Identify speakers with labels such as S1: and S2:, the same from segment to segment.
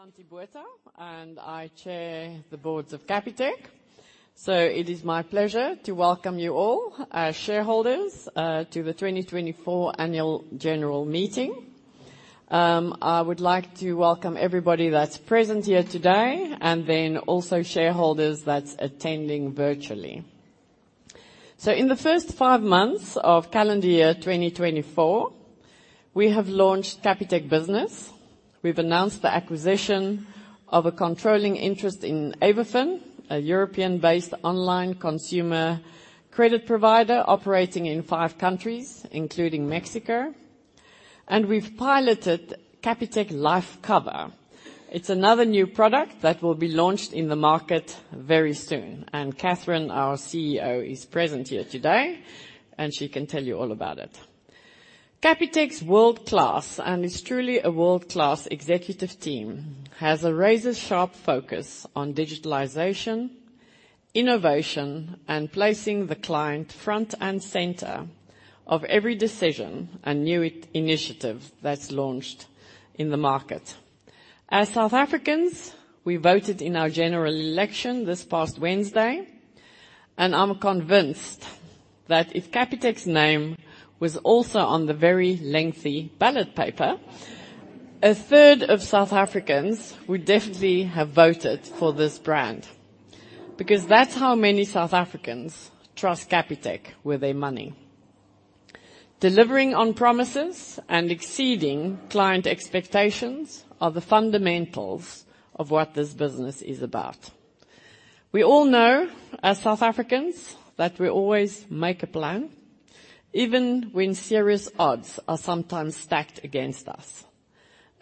S1: Santie Botha, and I chair the board of Capitec. So it is my pleasure to welcome you all, our shareholders, to the 2024 annual general meeting. I would like to welcome everybody that's present here today, and then also shareholders that's attending virtually. So in the first 5 months of calendar year 2024, we have launched Capitec Business. We've announced the acquisition of a controlling interest in AvaFin, a European-based online consumer credit provider operating in 5 countries, including Mexico. And we've piloted Capitec Life Cover. It's another new product that will be launched in the market very soon, and Catherine, our CEO, is present here today, and she can tell you all about it. Capitec's world-class, and it's truly a world-class executive team, has a razor-sharp focus on digitalization, innovation, and placing the client front and center of every decision and new it... initiative that's launched in the market. As South Africans, we voted in our general election this past Wednesday, and I'm convinced that if Capitec's name was also on the very lengthy ballot paper, a third of South Africans would definitely have voted for this brand, because that's how many South Africans trust Capitec with their money. Delivering on promises and exceeding client expectations are the fundamentals of what this business is about. We all know, as South Africans, that we always make a plan, even when serious odds are sometimes stacked against us.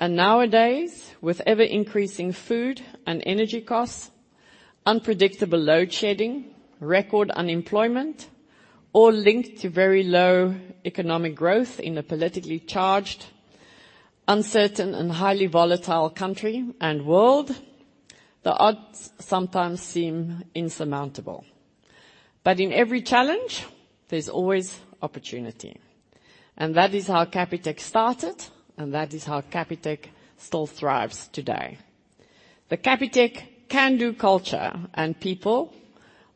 S1: And nowadays, with ever-increasing food and energy costs, unpredictable load shedding, record unemployment, all linked to very low economic growth in a politically charged, uncertain, and highly volatile country and world, the odds sometimes seem insurmountable. But in every challenge, there's always opportunity, and that is how Capitec started, and that is how Capitec still thrives today. The Capitec can-do culture and people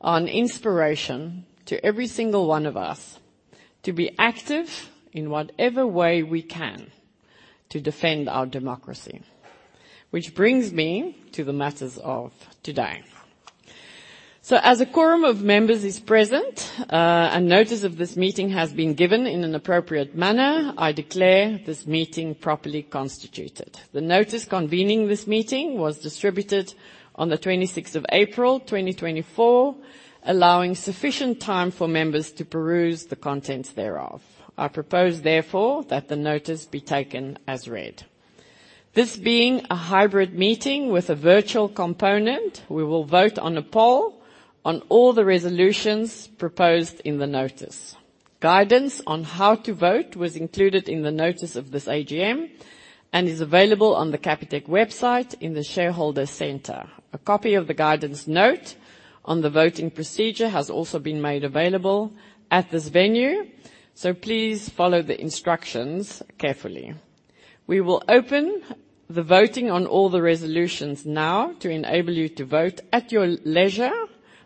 S1: are an inspiration to every single one of us to be active in whatever way we can to defend our democracy. Which brings me to the matters of today. So as a quorum of members is present, and notice of this meeting has been given in an appropriate manner, I declare this meeting properly constituted. The notice convening this meeting was distributed on the 26th of April, 2024, allowing sufficient time for members to peruse the contents thereof. I propose, therefore, that the notice be taken as read. This being a hybrid meeting with a virtual component, we will vote on a poll on all the resolutions proposed in the notice. Guidance on how to vote was included in the notice of this AGM and is available on the Capitec website in the Shareholder Centre. A copy of the guidance note on the voting procedure has also been made available at this venue, so please follow the instructions carefully. We will open the voting on all the resolutions now to enable you to vote at your leisure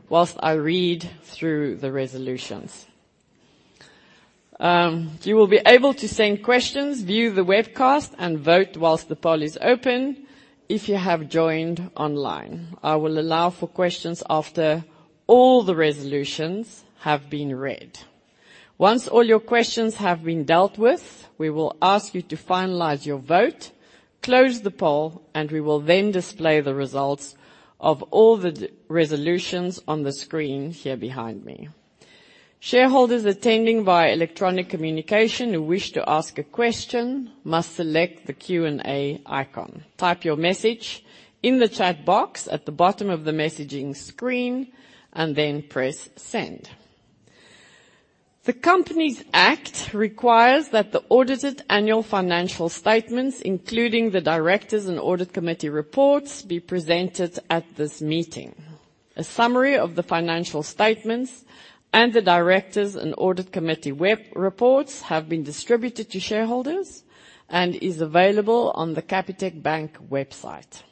S1: while I read through the resolutions. You will be able to send questions, view the webcast, and vote while the poll is open if you have joined online. I will allow for questions after all the resolutions have been read. Once all your questions have been dealt with, we will ask you to finalize your vote, close the poll, and we will then display the results of all the resolutions on the screen here behind me. Shareholders attending via electronic communication who wish to ask a question must select the Q&A icon, type your message in the chat box at the bottom of the messaging screen, and then press Send. The Companies Act requires that the audited annual financial statements, including the directors and audit committee reports, be presented at this meeting. A summary of the financial statements and the directors and audit committee web reports have been distributed to shareholders and is available on the Capitec Bank website.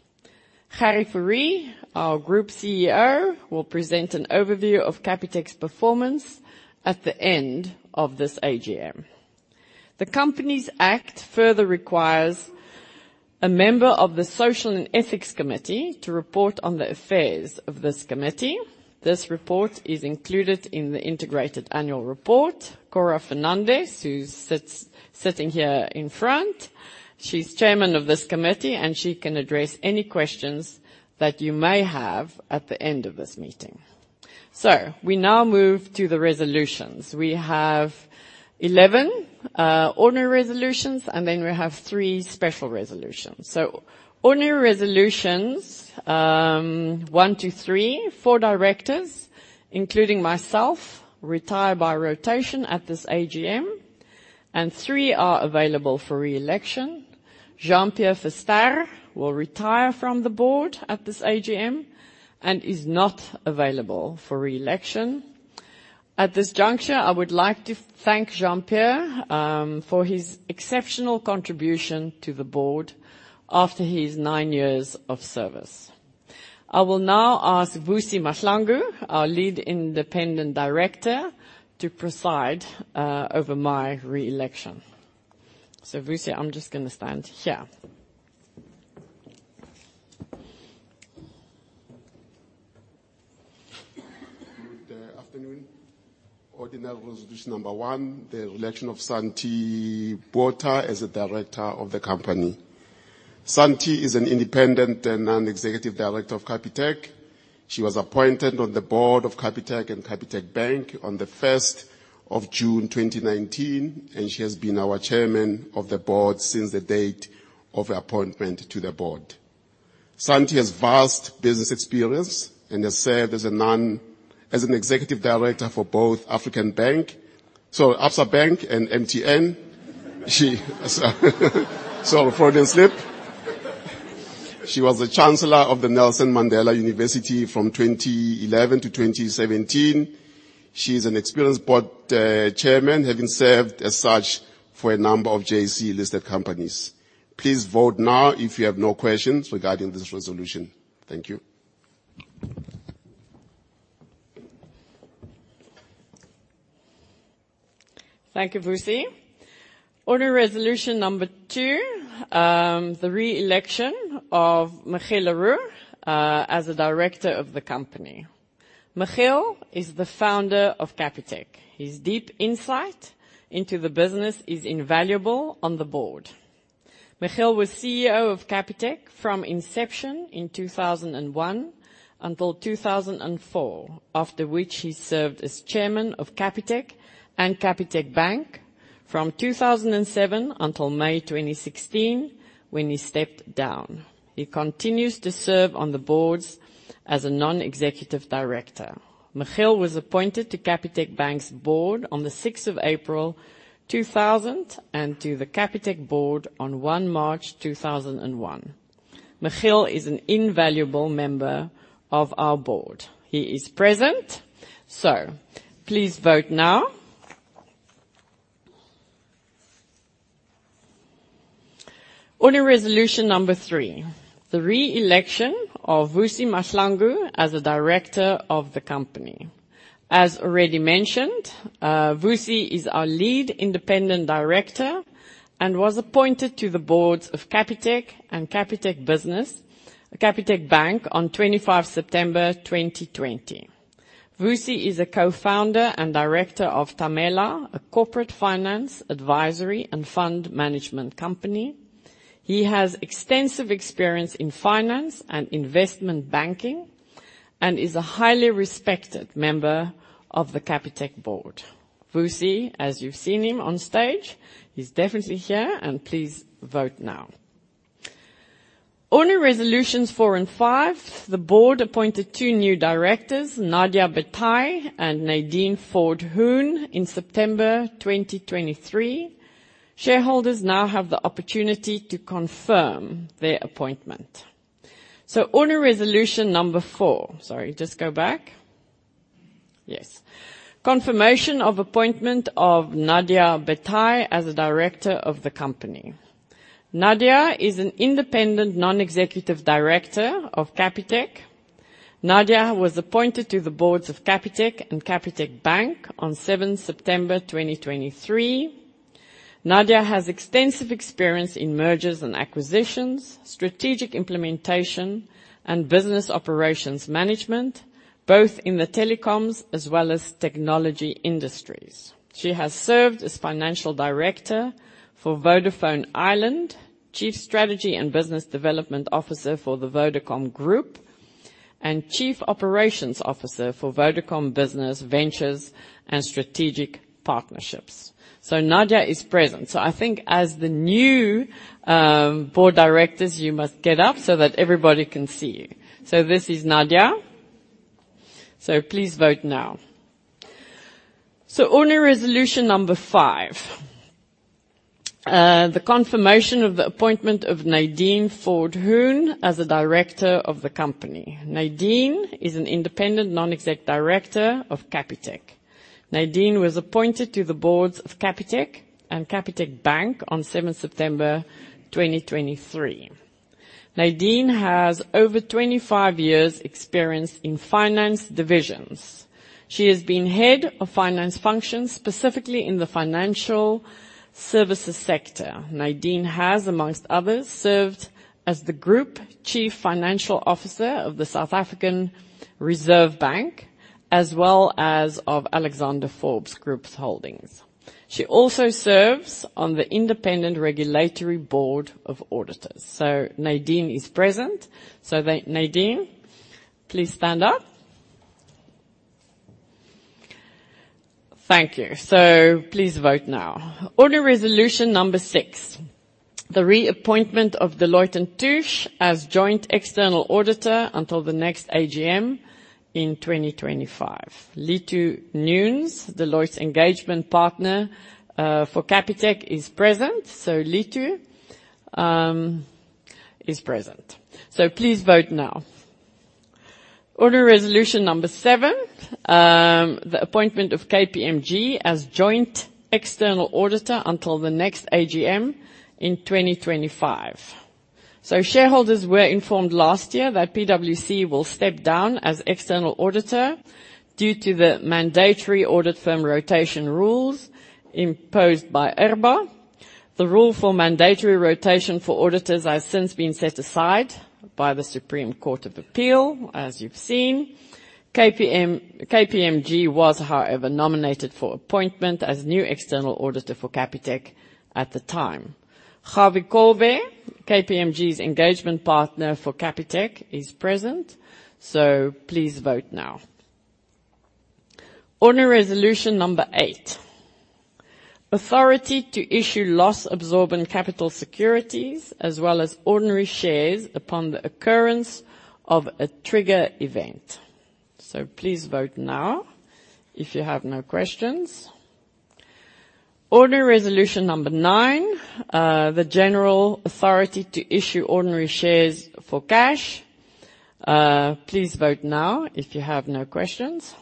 S1: Gerrie Fourie, our Group CEO, will present an overview of Capitec's performance at the end of this AGM. The Companies Act further requires a member of the Social and Ethics Committee to report on the affairs of this committee. This report is included in the integrated annual report. Cora Fernandez, who's sitting here in front, she's chairman of this committee, and she can address any questions that you may have at the end of this meeting. So we now move to the resolutions. We have 11 ordinary resolutions, and then we have 3 special resolutions. So ordinary resolutions, 1 to 3, 4 directors, including myself, retire by rotation at this AGM, and 3 are available for re-election. Jean-Pierre Verster will retire from the board at this AGM and is not available for re-election. At this juncture, I would like to thank Jean-Pierre Verster for his exceptional contribution to the board after his 9 years of service. I will now ask Vusi Mahlangu, our Lead Independent Director, to preside over my re-election. So Vusi, I'm just gonna stand here.
S2: Good afternoon. Ordinary resolution number 1, the re-election of Santie Botha as a director of the company. Santie is an independent and non-executive director of Capitec. She was appointed on the board of Capitec and Capitec Bank on the 1st of June 2019, and she has been our chairman of the board since the date of her appointment to the board. Santie has vast business experience and has served as an executive director for both African Bank, so Absa Bank and MTN. Sorry, Freudian slip. She was the Chancellor of the Nelson Mandela University from 2011 to 2017. She is an experienced board chairman, having served as such for a number of JSE-listed companies. Please vote now if you have no questions regarding this resolution. Thank you.
S1: Thank you, Vusi. Ordinary resolution number two, the re-election of Michiel Le Roux as a director of the company. Michiel is the founder of Capitec. His deep insight into the business is invaluable on the board. Michiel was CEO of Capitec from inception in 2001 until 2004, after which he served as chairman of Capitec and Capitec Bank from 2007 until May 2016, when he stepped down. He continues to serve on the boards as a non-executive director. Michiel was appointed to Capitec Bank's board on the 6th of April 2000, and to the Capitec board on 1 March 2001. Michiel is an invaluable member of our board. He is present, so please vote now. Ordinary resolution number three, the re-election of Vusi Mahlangu as a director of the company. As already mentioned, Vusi is our lead independent director and was appointed to the boards of Capitec and Capitec Business, Capitec Bank, on 25 September 2020. Vusi is a co-founder and director of Tamela, a corporate finance advisory and fund management company. He has extensive experience in finance and investment banking and is a highly respected member of the Capitec board. Vusi, as you've seen him on stage, he's definitely here, and please vote now. Ordinary resolutions four and five, the board appointed two new directors, Nadia Bezuidenhout and Naidene Ford-Hoon, in September 2023. Shareholders now have the opportunity to confirm their appointment. So ordinary resolution number four... Sorry, just go back. Yes. Confirmation of appointment of Nadia Bezuidenhout as a director of the company. Nadia is an independent non-executive director of Capitec. Nadia was appointed to the boards of Capitec and Capitec Bank on 7 September 2023. Nadia has extensive experience in mergers and acquisitions, strategic implementation, and business operations management, both in the telecoms as well as technology industries. She has served as financial director for Vodafone Ireland, chief strategy and business development officer for the Vodacom Group, and chief operations officer for Vodacom Business Ventures and Strategic Partnerships. So Nadia is present. So I think as the new board directors, you must get up so that everybody can see you. So this is Nadia. So please vote now. So ordinary resolution number five, the confirmation of the appointment of Naidene Ford-Hoon as a director of the company. Naidene is an independent non-executive director of Capitec. Naidene was appointed to the boards of Capitec and Capitec Bank on 7th September 2023. Naidene has over 25 years' experience in finance divisions. She has been head of finance functions, specifically in the financial services sector. Naidene has, among others, served as the group chief financial officer of the South African Reserve Bank, as well as of Alexander Forbes Group Holdings. She also serves on the Independent Regulatory Board of Auditors. So Naidene is present. So then, Naidene, please stand up. Thank you. So please vote now. Ordinary resolution number six, the reappointment of Deloitte & Touche as joint external auditor until the next AGM in 2025. Lito Nunes, Deloitte's engagement partner, for Capitec, is present. So, Lito, is present. So please vote now. Ordinary Resolution Number seven, the appointment of KPMG as joint external auditor until the next AGM in 2025. So shareholders were informed last year that PwC will step down as external auditor due to the mandatory audit firm rotation rules imposed by IRBA. The rule for mandatory rotation for auditors has since been set aside by the Supreme Court of Appeal, as you've seen. KPMG was, however, nominated for appointment as new external auditor for Capitec at the time. Gawie Kolbe, KPMG's engagement partner for Capitec, is present, so please vote now. Ordinary Resolution Number eight: Authority to issue loss-absorbent capital securities as well as ordinary shares upon the occurrence of a trigger event. So please vote now if you have no questions. Ordinary Resolution Number nine, the general authority to issue ordinary shares for cash. Please vote now if you have no questions.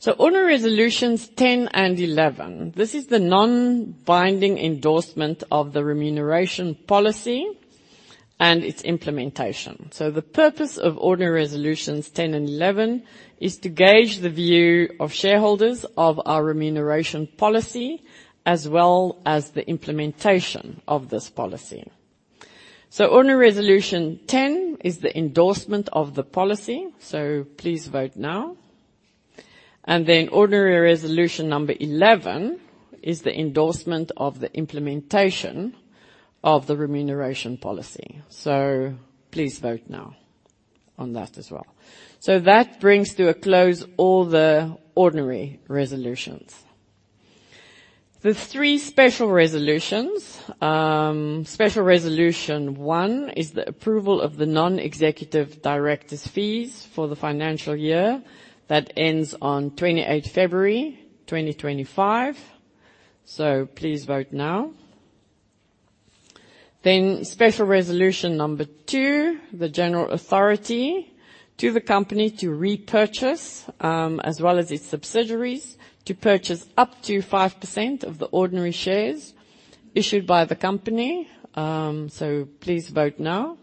S1: So Ordinary Resolutions 10 and 11, this is the non-binding endorsement of the remuneration policy and its implementation. So the purpose of Ordinary Resolutions 10 and 11 is to gauge the view of shareholders of our remuneration policy as well as the implementation of this policy. Ordinary Resolution 10 is the endorsement of the policy, so please vote now. Ordinary Resolution Number 11 is the endorsement of the implementation of the remuneration policy. Please vote now on that as well. That brings to a close all the ordinary resolutions. The three special resolutions. Special Resolution 1 is the approval of the non-executive directors' fees for the financial year that ends on 28 February 2025. Please vote now. Special Resolution Number 2, the general authority to the company to repurchase, as well as its subsidiaries, to purchase up to 5% of the ordinary shares issued by the company. Please vote now.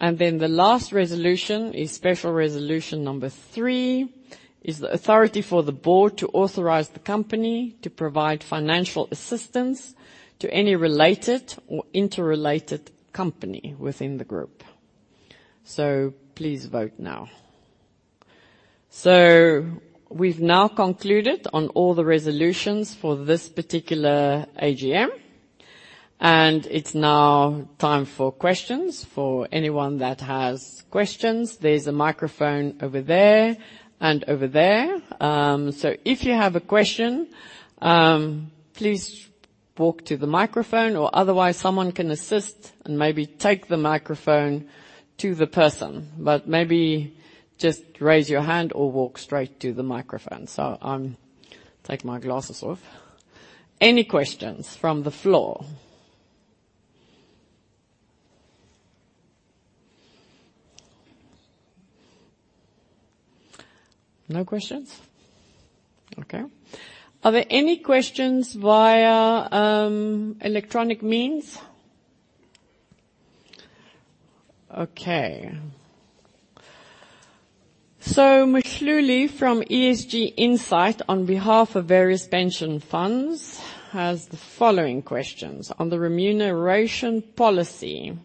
S1: The last resolution is Special Resolution Number 3, is the authority for the board to authorize the company to provide financial assistance to any related or interrelated company within the group. So please vote now. So we've now concluded on all the resolutions for this particular AGM, and it's now time for questions. For anyone that has questions, there's a microphone over there and over there. So if you have a question, please walk to the microphone, or otherwise someone can assist and maybe take the microphone to the person, but maybe just raise your hand or walk straight to the microphone. So I'll take my glasses off. Any questions from the floor? No questions? Okay. Are there any questions via electronic means? Okay. So Mdluli, from ESG Insight, on behalf of various pension funds, has the following questions on the remuneration policy.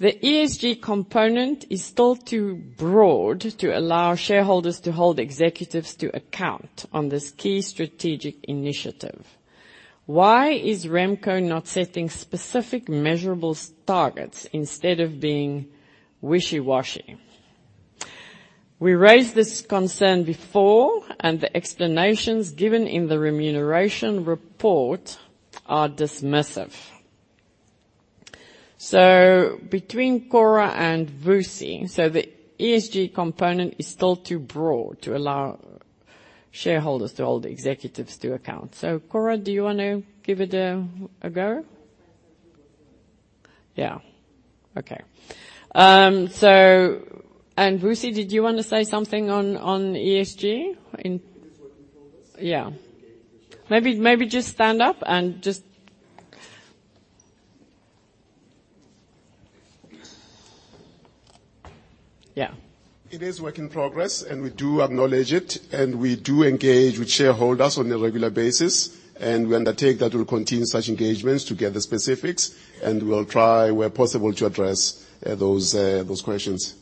S1: The ESG component is still too broad to allow shareholders to hold executives to account on this key strategic initiative. Why is Remco not setting specific measurable targets instead of being wishy-washy? We raised this concern before, and the explanations given in the remuneration report are dismissive. So between Cora and Vusi, so the ESG component is still too broad to allow shareholders to hold executives to account. So, Cora, do you want to give it a go? Yeah. Okay. So... And Vusi, did you want to say something on ESG in-
S2: It is work in progress.
S1: Yeah. Maybe, maybe just stand up and just... Yeah.
S2: It is work in progress, and we do acknowledge it, and we do engage with shareholders on a regular basis, and we undertake that we'll continue such engagements to get the specifics, and we'll try, where possible, to address, those, those questions.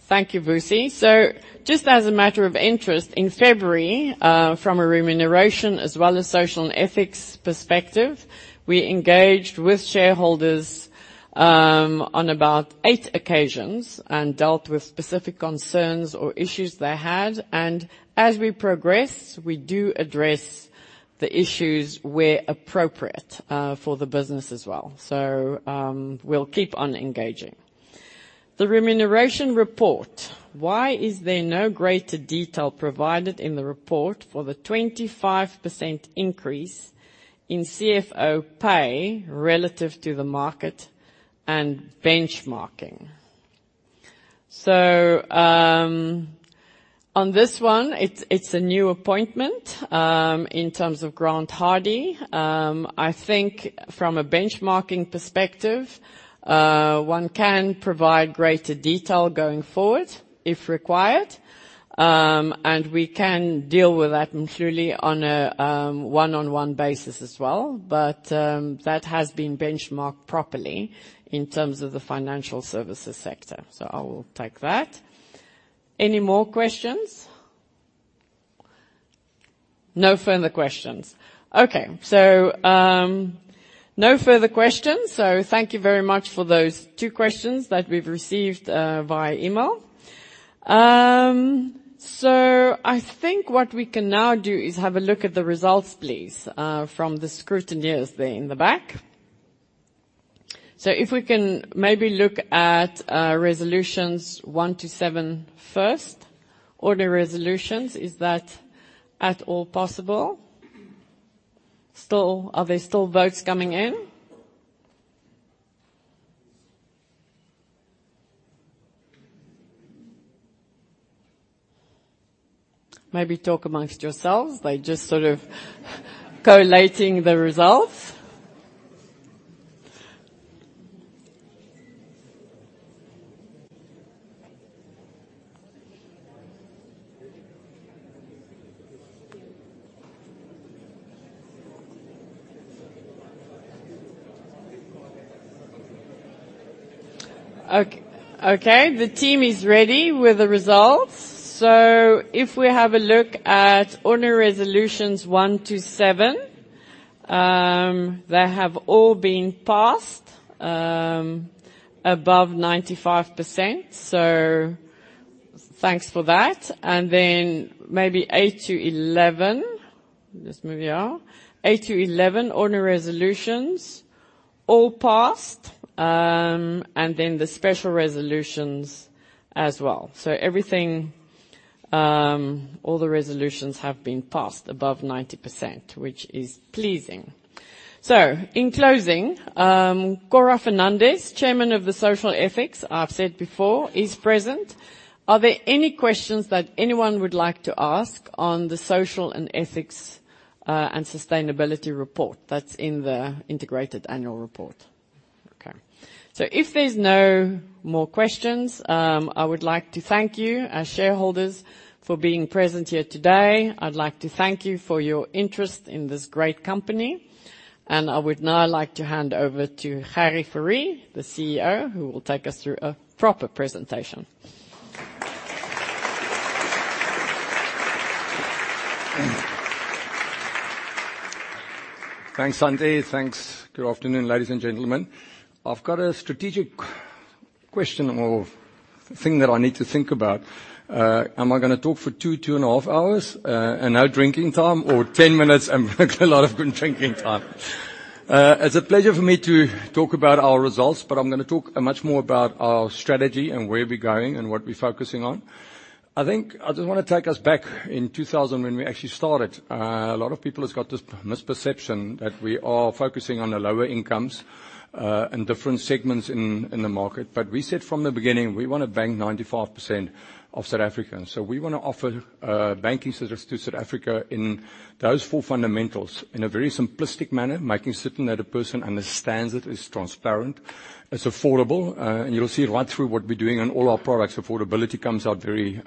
S1: Thank you, Vusi. So just as a matter of interest, in February, from a remuneration as well as social and ethics perspective, we engaged with shareholders, on about eight occasions and dealt with specific concerns or issues they had, and as we progress, we do address the issues where appropriate, for the business as well. So, we'll keep on engaging.... The remuneration report. Why is there no greater detail provided in the report for the 25% increase in CFO pay relative to the market and benchmarking? So, on this one, it's a new appointment, in terms of Grant Hardy. I think from a benchmarking perspective, one can provide greater detail going forward, if required. And we can deal with that usually, on a, one-on-one basis as well. But, that has been benchmarked properly in terms of the financial services sector. So I will take that. Any more questions? No further questions. Okay. So, no further questions. So thank you very much for those two questions that we've received, via email. So I think what we can now do is have a look at the results, please, from the scrutineers there in the back. So if we can maybe look at, resolutions 1-7 first, ordinary resolutions. Is that at all possible? Are there still votes coming in? Maybe talk among yourselves. They're just sort of collating the results. Okay. Okay, the team is ready with the results. So if we have a look at ordinary resolutions 1-7, they have all been passed, above 95%. So thanks for that. And then maybe 8-11. Just move here. 8-11 ordinary resolutions, all passed. And then the special resolutions as well. So everything. All the resolutions have been passed above 90%, which is pleasing. So in closing, Cora Fernandez, Chairman of the Social Ethics, I've said before, is present. Are there any questions that anyone would like to ask on the social and ethics and sustainability report that's in the integrated annual report? Okay. So if there's no more questions, I would like to thank you, our shareholders, for being present here today. I'd like to thank you for your interest in this great company, and I would now like to hand over to Gerrie Fourie, the CEO, who will take us through a proper presentation.
S3: Thanks, Santie. Thanks. Good afternoon, ladies and gentlemen. I've got a strategic question or thing that I need to think about. Am I gonna talk for 2, 2.5 hours, and no drinking time, or 10 minutes and a lot of good drinking time? It's a pleasure for me to talk about our results, but I'm gonna talk much more about our strategy and where we're going and what we're focusing on. I think I just want to take us back in 2000, when we actually started. A lot of people has got this misperception that we are focusing on the lower incomes, and different segments in the market. But we said from the beginning, we want to bank 95% of South Africans. So we want to offer banking services to South Africa in those four fundamentals in a very simplistic manner, making certain that a person understands it, it's transparent, it's affordable. And you'll see right through what we're doing in all our products, affordability comes out very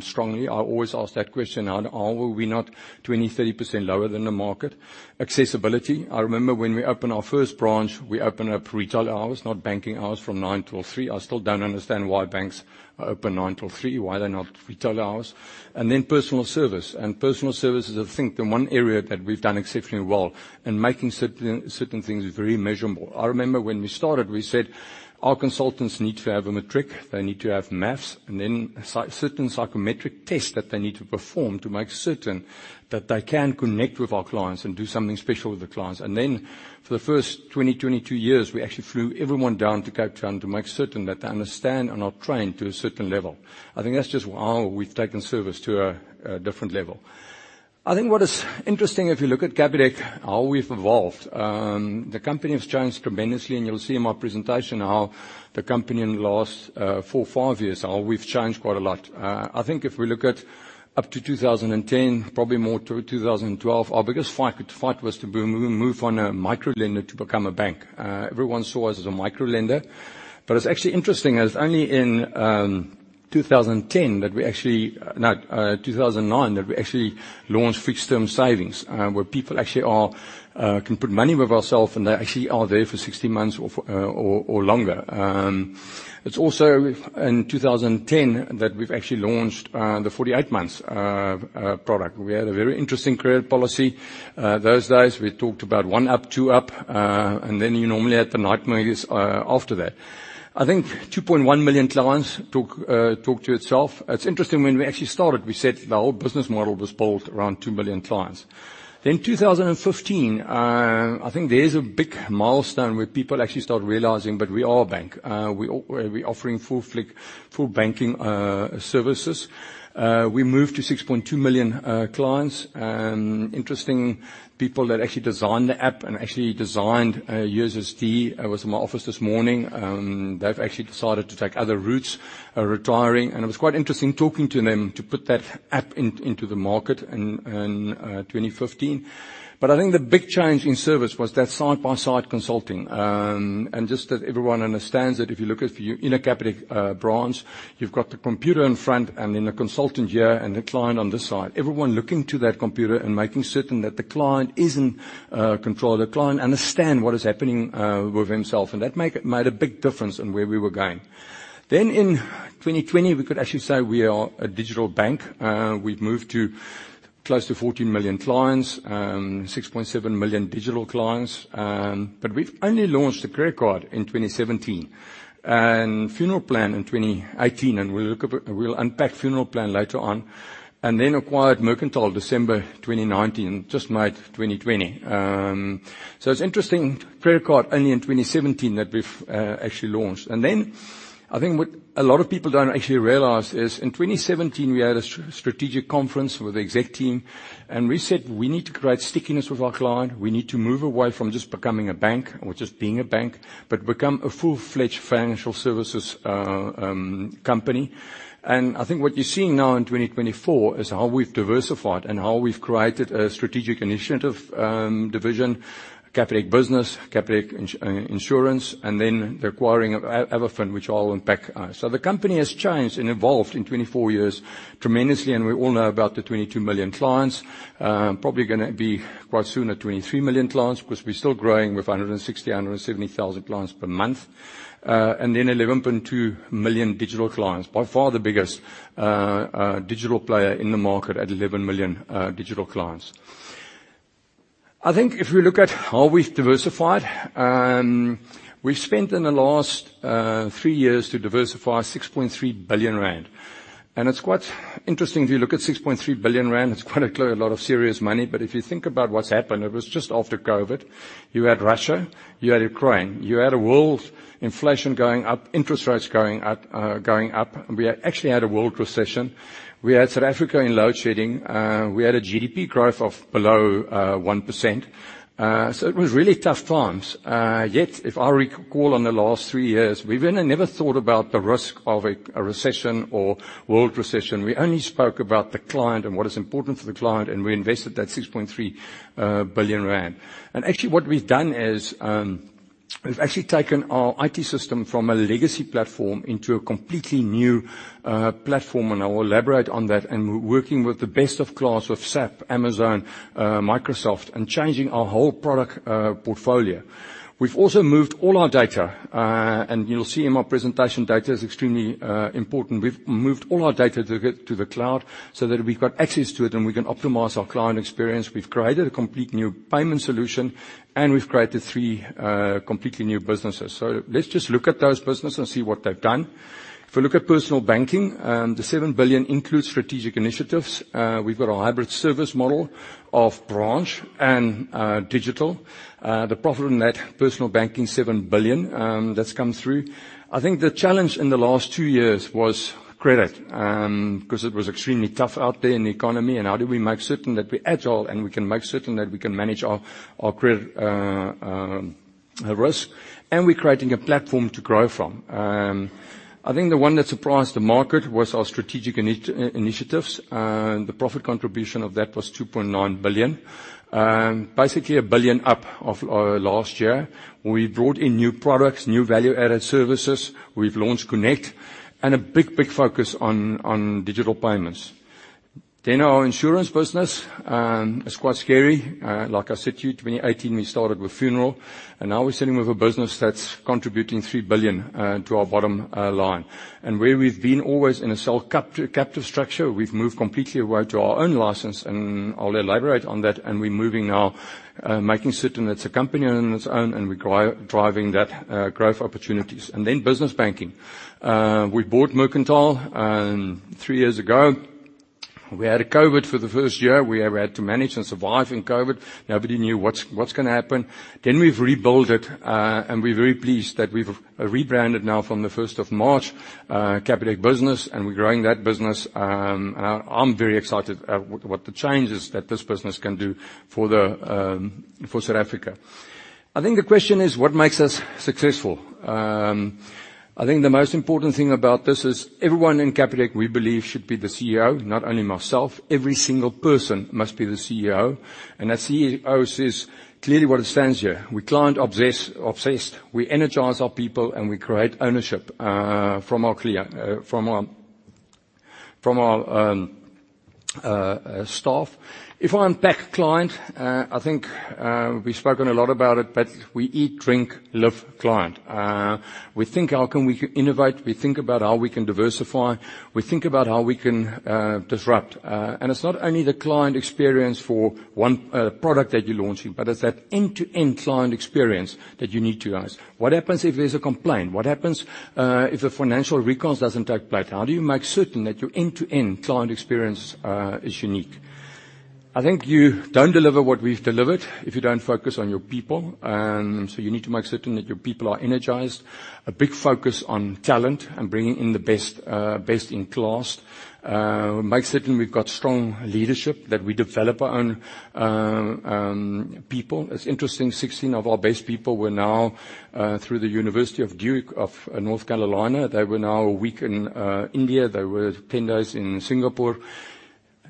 S3: strongly. I always ask that question: How are we not 20, 30% lower than the market? Accessibility. I remember when we opened our first branch, we opened up retail hours, not banking hours, from 9:00 A.M. till 3:00 P.M. I still don't understand why banks are open 9:00 A.M. till 3:00 P.M., why they're not retail hours. And then personal service. And personal service is, I think, the one area that we've done exceptionally well in making certain, certain things very measurable. I remember when we started, we said, "Our consultants need to have a metric. They need to have math, and then psychometric tests that they need to perform to make certain that they can connect with our clients and do something special with the clients. Then for the first 22 years, we actually flew everyone down to Cape Town to make certain that they understand and are trained to a certain level. I think that's just how we've taken service to a different level. I think what is interesting, if you look at Capitec, how we've evolved. The company has changed tremendously, and you'll see in my presentation how the company in the last 4-5 years, how we've changed quite a lot. I think if we look at up to 2010, probably more to 2012, our biggest fight was to move from a microlender to become a bank. Everyone saw us as a microlender, but it's actually interesting, as only in 2009 that we actually launched fixed-term savings, where people actually can put money with ourselves, and they actually are there for 16 months or for longer. It's also in 2010 that we've actually launched the 48-month product. We had a very interesting credit policy. Those days, we talked about one up, two up, and then you normally had the nightmares after that. I think 2.1 million clients talk to itself. It's interesting, when we actually started, we said the whole business model was built around 2 million clients. Then 2015, I think there is a big milestone where people actually start realizing that we are a bank. We're offering full-fledged, full banking services. We moved to 6.2 million clients. Interesting people that actually designed the app and actually designed USSD was in my office this morning. They've actually decided to take other routes, are retiring, and it was quite interesting talking to them to put that app into the market in 2015. But I think the big change in service was that side-by-side consulting. And just that everyone understands that if you look at your any Capitec branch, you've got the computer in front and then the consultant here and the client on this side. Everyone looking to that computer and making certain that the client is in control, the client understand what is happening with himself, and that made a big difference in where we were going. Then in 2020, we could actually say we are a digital bank. We've moved to close to 14 million clients, 6.7 million digital clients. But we've only launched a credit card in 2017 and funeral plan in 2018, and we'll look at... We'll unpack funeral plan later on, and then acquired Mercantile December 2019, just made 2020. So it's interesting, credit card only in 2017 that we've actually launched. I think what a lot of people don't actually realize is, in 2017, we had a strategic conference with the exec team, and we said, "We need to create stickiness with our client. We need to move away from just becoming a bank or just being a bank, but become a full-fledged financial services company." I think what you're seeing now in 2024 is how we've diversified and how we've created a strategic initiative division, Capitec Business, Capitec Insurance, and then the acquiring of AvaFin, which I'll unpack. So the company has changed and evolved in 24 years tremendously, and we all know about the 22 million clients. Probably gonna be quite soon at 23 million clients because we're still growing with 160-170 thousand clients per month. And then 11.2 million digital clients. By far, the biggest digital player in the market at 11 million digital clients. I think if we look at how we've diversified, we've spent in the last 3 years to diversify 6.3 billion rand. And it's quite interesting if you look at 6.3 billion rand, it's quite a clear lot of serious money. But if you think about what's happened, it was just after COVID. You had Russia, you had Ukraine, you had a world inflation going up, interest rates going up, going up. We actually had a world recession. We had South Africa in load shedding. We had a GDP growth of below 1%. So it was really tough times. Yet, if I recall on the last three years, we've really never thought about the risk of a recession or world recession. We only spoke about the client and what is important for the client, and we invested that 6.3 billion rand. And actually, what we've done is, we've actually taken our IT system from a legacy platform into a completely new platform, and I will elaborate on that. And we're working with the best of class with SAP, Amazon, Microsoft, and changing our whole product portfolio. We've also moved all our data. And you'll see in my presentation, data is extremely important. We've moved all our data to the cloud so that we've got access to it, and we can optimize our client experience. We've created a complete new payment solution, and we've created three completely new businesses. So let's just look at those businesses and see what they've done. If you look at personal banking, the 7 billion includes strategic initiatives. We've got a hybrid service model of branch and digital. The profit on that personal banking, 7 billion, that's come through. I think the challenge in the last two years was credit, 'cause it was extremely tough out there in the economy, and how do we make certain that we're agile, and we can make certain that we can manage our credit risk, and we're creating a platform to grow from. I think the one that surprised the market was our strategic initiatives. The profit contribution of that was 2.9 billion, basically a billion up from last year. We brought in new products, new value-added services. We've launched Connect and a big, big focus on digital payments. Then our insurance business is quite scary. Like I said to you, 2018, we started with funeral, and now we're sitting with a business that's contributing 3 billion to our bottom line. And where we've been always in a self-captive structure, we've moved completely away to our own license, and I'll elaborate on that. And we're moving now, making certain that's a company on its own, and we're driving that growth opportunities. And then business banking. We bought Mercantile 3 years ago. We had COVID for the first year. We had to manage and survive in COVID. Nobody knew what's gonna happen. Then we've rebuilt it, and we're very pleased that we've rebranded now from the 1st of March, Capitec Business, and we're growing that business. And I'm very excited at what the changes that this business can do for South Africa. I think the question is: What makes us successful? I think the most important thing about this is everyone in Capitec, we believe, should be the CEO, not only myself. Every single person must be the CEO, and as CEO says, clearly what it stands here. We're client obsessed, we energize our people, and we create ownership from our clear, from our staff. If I unpack client, I think we've spoken a lot about it, but we eat, drink, live client. We think how can we innovate, we think about how we can diversify, we think about how we can disrupt. And it's not only the client experience for one product that you're launching, but it's that end-to-end client experience that you need to ask. What happens if there's a complaint? What happens if a financial records doesn't take place? How do you make certain that your end-to-end client experience is unique? I think you don't deliver what we've delivered if you don't focus on your people. So you need to make certain that your people are energized. A big focus on talent and bringing in the best in class. Make certain we've got strong leadership, that we develop our own people. It's interesting, 16 of our best people were now through Duke University in North Carolina. They were now a week in India. They were 10 days in Singapore.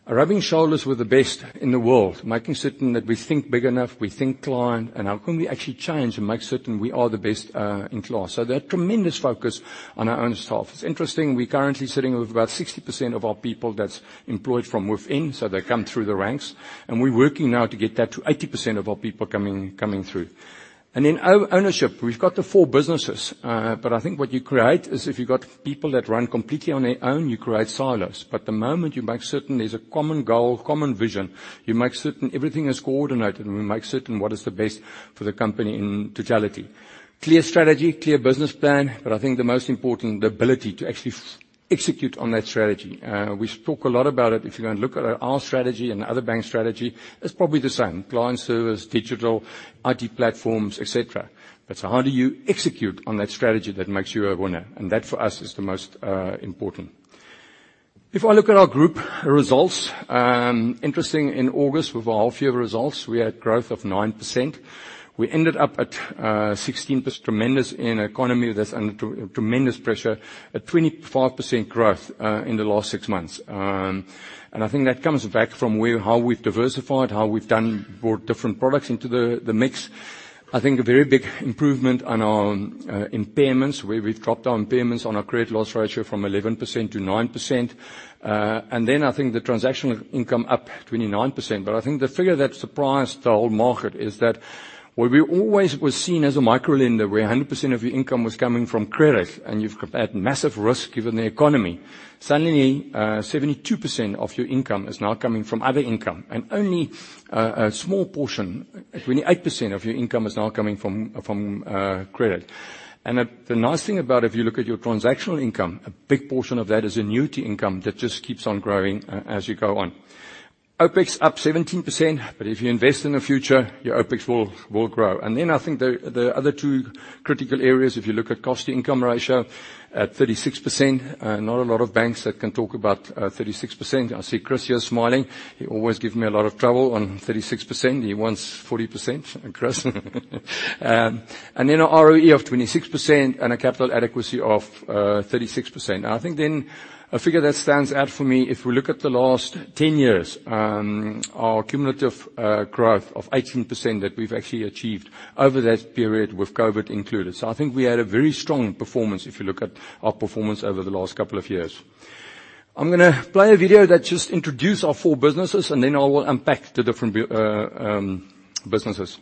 S3: Rubbing shoulders with the best in the world, making certain that we think big enough, we think client, and how can we actually change and make certain we are the best in class? So there's tremendous focus on our own staff. It's interesting, we're currently sitting with about 60% of our people that's employed from within, so they come through the ranks, and we're working now to get that to 80% of our people coming through. And then ownership. We've got the four businesses, but I think what you create is if you've got people that run completely on their own, you create silos. But the moment you make certain there's a common goal, common vision, you make certain everything is coordinated, and we make certain what is the best for the company in totality. Clear strategy, clear business plan, but I think the most important, the ability to actually execute on that strategy. We spoke a lot about it. If you're going to look at our strategy and other bank strategy, it's probably the same. Client service, digital, IT platforms, et cetera. But how do you execute on that strategy that makes you a winner? And that, for us, is the most important. If I look at our group results, interesting, in August, with our half year results, we had growth of 9%. We ended up at 16%, tremendous in economy, that's under tremendous pressure, at 25 growth in the last six months. And I think that comes back from where how we've diversified, how we've done brought different products into the, the mix. I think a very big improvement on our, impairments, where we've dropped our impairments on our credit loss ratio from 11% to 9%. And then I think the transactional income up 29%. But I think the figure that surprised the whole market is that where we always were seen as a microlender, where 100% of your income was coming from credit, and you've got that massive risk given the economy, suddenly, 72% of your income is now coming from other income, and only, a small portion, 28% of your income, is now coming from, credit. The nice thing about it, if you look at your transactional income, a big portion of that is annuity income that just keeps on growing as you go on. OPEX up 17%, but if you invest in the future, your OPEX will grow. And then I think the other two critical areas, if you look at cost income ratio, at 36%, not a lot of banks that can talk about 36%. I see Chris here smiling. He always gives me a lot of trouble on 36%. He wants 40%, Chris. And then a ROE of 26% and a capital adequacy of 36%. I think then, a figure that stands out for me, if we look at the last 10 years, our cumulative growth of 18% that we've actually achieved over that period with COVID included. So I think we had a very strong performance, if you look at our performance over the last couple of years. I'm gonna play a video that just introduce our 4 businesses, and then I will unpack the different businesses.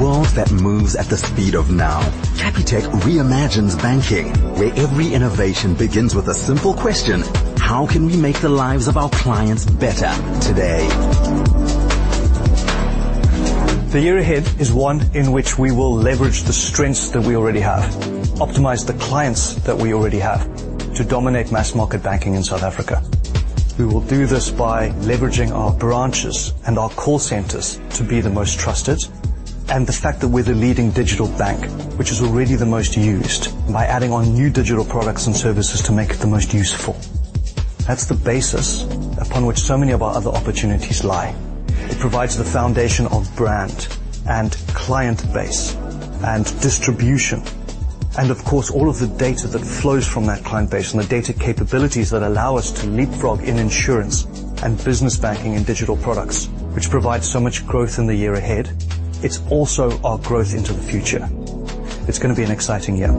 S4: In a world that moves at the speed of now, Capitec reimagines banking, where every innovation begins with a simple question: How can we make the lives of our clients better today? The year ahead is one in which we will leverage the strengths that we already have, optimize the clients that we already have to dominate mass market banking in South Africa. We will do this by leveraging our branches and our call centers to be the most trusted, and the fact that we're the leading digital bank, which is already the most used, by adding on new digital products and services to make it the most useful. That's the basis upon which so many of our other opportunities lie. It provides the foundation of brand, and client base, and distribution, and of course, all of the data that flows from that client base and the data capabilities that allow us to leapfrog in insurance and business banking and digital products, which provide so much growth in the year ahead. It's also our growth into the future. It's gonna be an exciting year.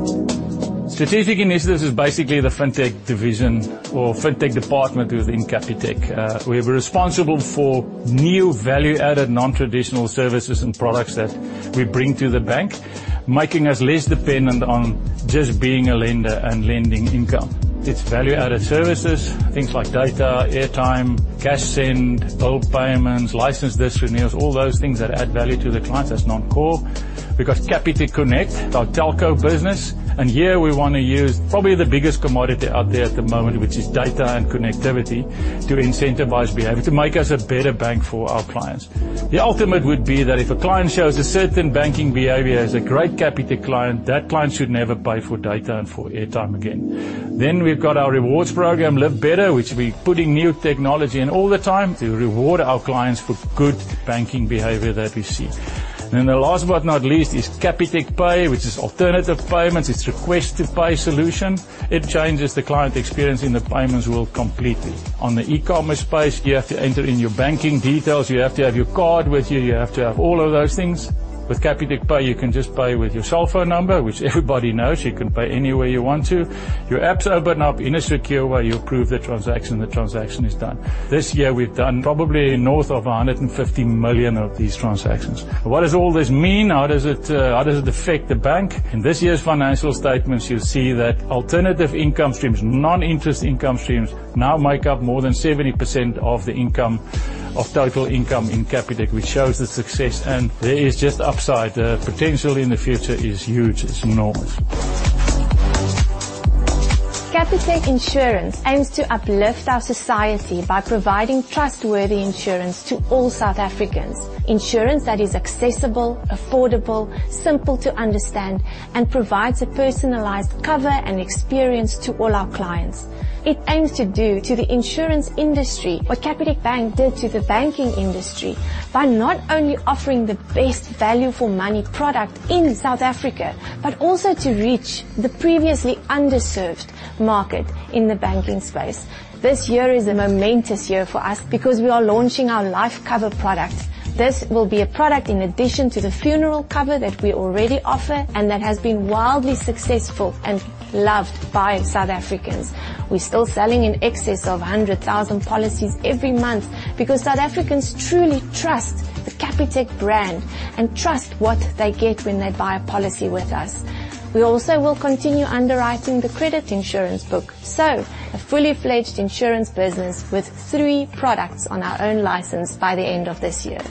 S4: Strategic Initiatives is basically the FinTech division or FinTech department within Capitec. We're responsible for new value-added, non-traditional services and products that we bring to the bank, making us less dependent on just being a lender and lending income. It's value-added services, things like data, airtime, cash send, bill payments, license renewals, all those things that add value to the client that's non-core. We've got Capitec Connect, our telco business, and here we want to use probably the biggest commodity out there at the moment, which is data and connectivity, to incentivize behavior, to make us a better bank for our clients. The ultimate would be that if a client shows a certain banking behavior as a great Capitec client, that client should never pay for data and for airtime again. Then we've got our rewards program, Live Better, which we're putting new technology in all the time to reward our clients for good banking behavior that we see. Then the last, but not least, is Capitec Pay, which is alternative payments. It's request to pay solution. It changes the client experience in the payments world completely. On the e-commerce space, you have to enter in your banking details, you have to have your card with you, you have to have all of those things. With Capitec Pay, you can just pay with your cell phone number, which everybody knows. You can pay any way you want to. Your apps open up in a secure way. You approve the transaction, the transaction is done. This year, we've done probably north of 150 million of these transactions. What does all this mean? How does it, how does it affect the bank? In this year's financial statements, you'll see that alternative income streams, non-interest income streams, now make up more than 70% of the income, of total income in Capitec, which shows the success, and there is just upside. The potential in the future is huge. It's enormous. Capitec Insurance aims to uplift our society by providing trustworthy insurance to all South Africans. Insurance that is accessible, affordable, simple to understand, and provides a personalized cover and experience to all our clients. It aims to do to the insurance industry what Capitec Bank did to the banking industry, by not only offering the best value for money product in South Africa, but also to reach the previously underserved market in the banking space. This year is a momentous year for us because we are launching our life cover product. This will be a product in addition to the funeral cover that we already offer, and that has been wildly successful and loved by South Africans. We're still selling in excess of 100,000 policies every month because South Africans truly trust the Capitec brand and trust what they get when they buy a policy with us. We also will continue underwriting the credit insurance book. So a full-fledged insurance business with three products on our own license by the end of this year.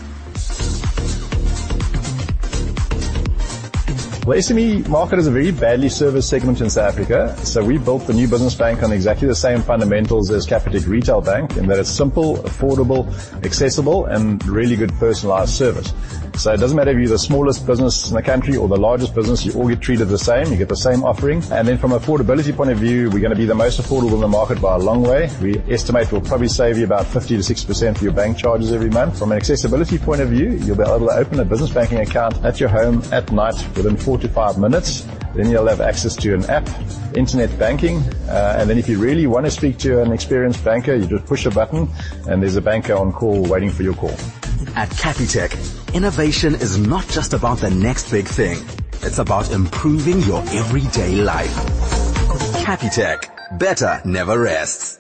S4: The SME market is a very badly serviced segment in South Africa. So we built the new business bank on exactly the same fundamentals as Capitec Retail Bank, and that is simple, affordable, accessible, and really good personalized service. So it doesn't matter if you're the smallest business in the country or the largest business, you all get treated the same, you get the same offering. And then from an affordability point of view, we're gonna be the most affordable in the market by a long way. We estimate we'll probably save you about 50%-60% of your bank charges every month. From an accessibility point of view, you'll be able to open a business banking account at your home at night within 45 minutes. Then you'll have access to an app, internet banking, and then if you really want to speak to an experienced banker, you just push a button, and there's a banker on call waiting for your call. At Capitec, innovation is not just about the next big thing. It's about improving your everyday life. Capitec, better never rests.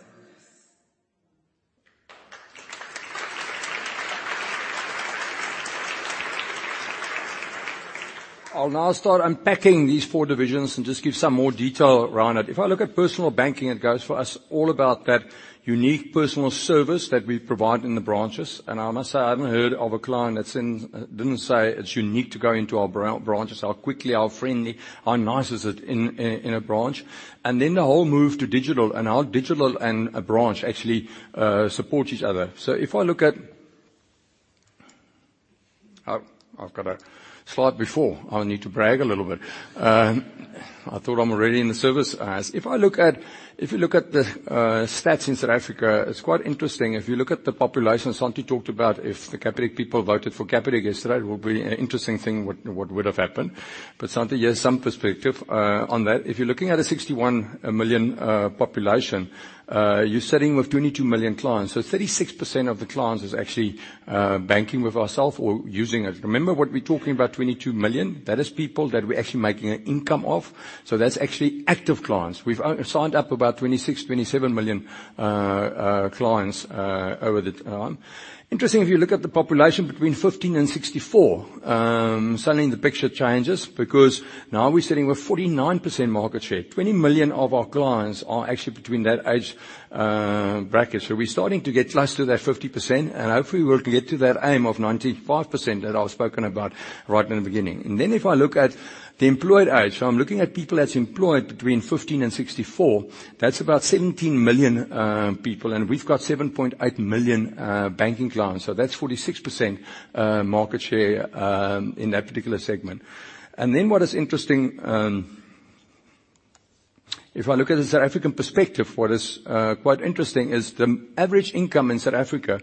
S3: I'll now start unpacking these four divisions and just give some more detail around it. If I look at personal banking, it goes for us all about that unique personal service that we provide in the branches. And I must say, I haven't heard of a client that didn't say it's unique to go into our branches, how quickly, how friendly, how nice it is in a branch. And then the whole move to digital and how digital and a branch actually support each other. So if I look at, I've got a slide before. I need to brag a little bit. I thought I'm already in the service. If you look at the stats in South Africa, it's quite interesting. If you look at the population Santie talked about, if the Capitec people voted for Capitec yesterday, it would be an interesting thing, what would have happened. But, Santie, here's some perspective on that. If you're looking at a 61 million population, you're sitting with 22 million clients. So 36% of the clients is actually banking with ourselves or using us. Remember what we're talking about, 22 million? That is people that we're actually making an income of. So that's actually active clients. We've signed up about 26, 27 million clients over time. Interesting, if you look at the population between 15 and 64, suddenly the picture changes, because now we're sitting with 49% market share. 20 million of our clients are actually between that age bracket. So we're starting to get close to that 50%, and hopefully we'll get to that aim of 95% that I've spoken about right in the beginning. And then if I look at the employed age, so I'm looking at people that's employed between 15 and 64, that's about 17 million people, and we've got 7.8 million banking clients. So that's 46% market share in that particular segment. And then what is interesting, if I look at the South African perspective, what is quite interesting is the average income in South Africa,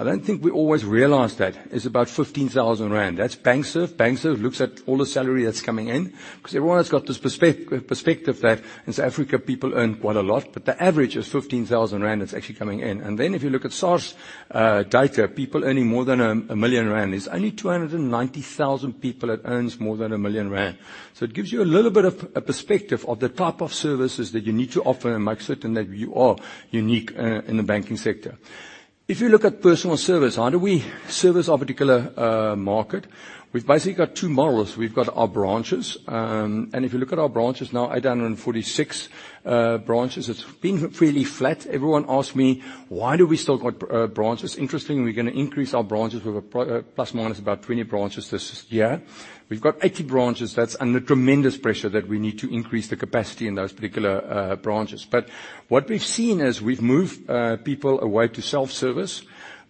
S3: I don't think we always realize that, is about 15,000 rand. That's Bankserv. Bankserv looks at all the salary that's coming in, 'cause everyone has got this perspective that in South Africa, people earn quite a lot, but the average is 15,000 rand that's actually coming in. Then if you look at SARS data, people earning more than 1 million rand, there's only 290,000 people that earns more than 1 million rand. So it gives you a little bit of a perspective of the type of services that you need to offer and make certain that you are unique in the banking sector. If you look at personal service, how do we service our particular market? We've basically got two models. We've got our branches, and if you look at our branches now, 846 branches, it's been fairly flat. Everyone asks me: Why do we still got branches? Interestingly, we're gonna increase our branches with plus minus about 20 branches this year. We've got 80 branches that's under tremendous pressure that we need to increase the capacity in those particular branches. But what we've seen is we've moved people away to self-service,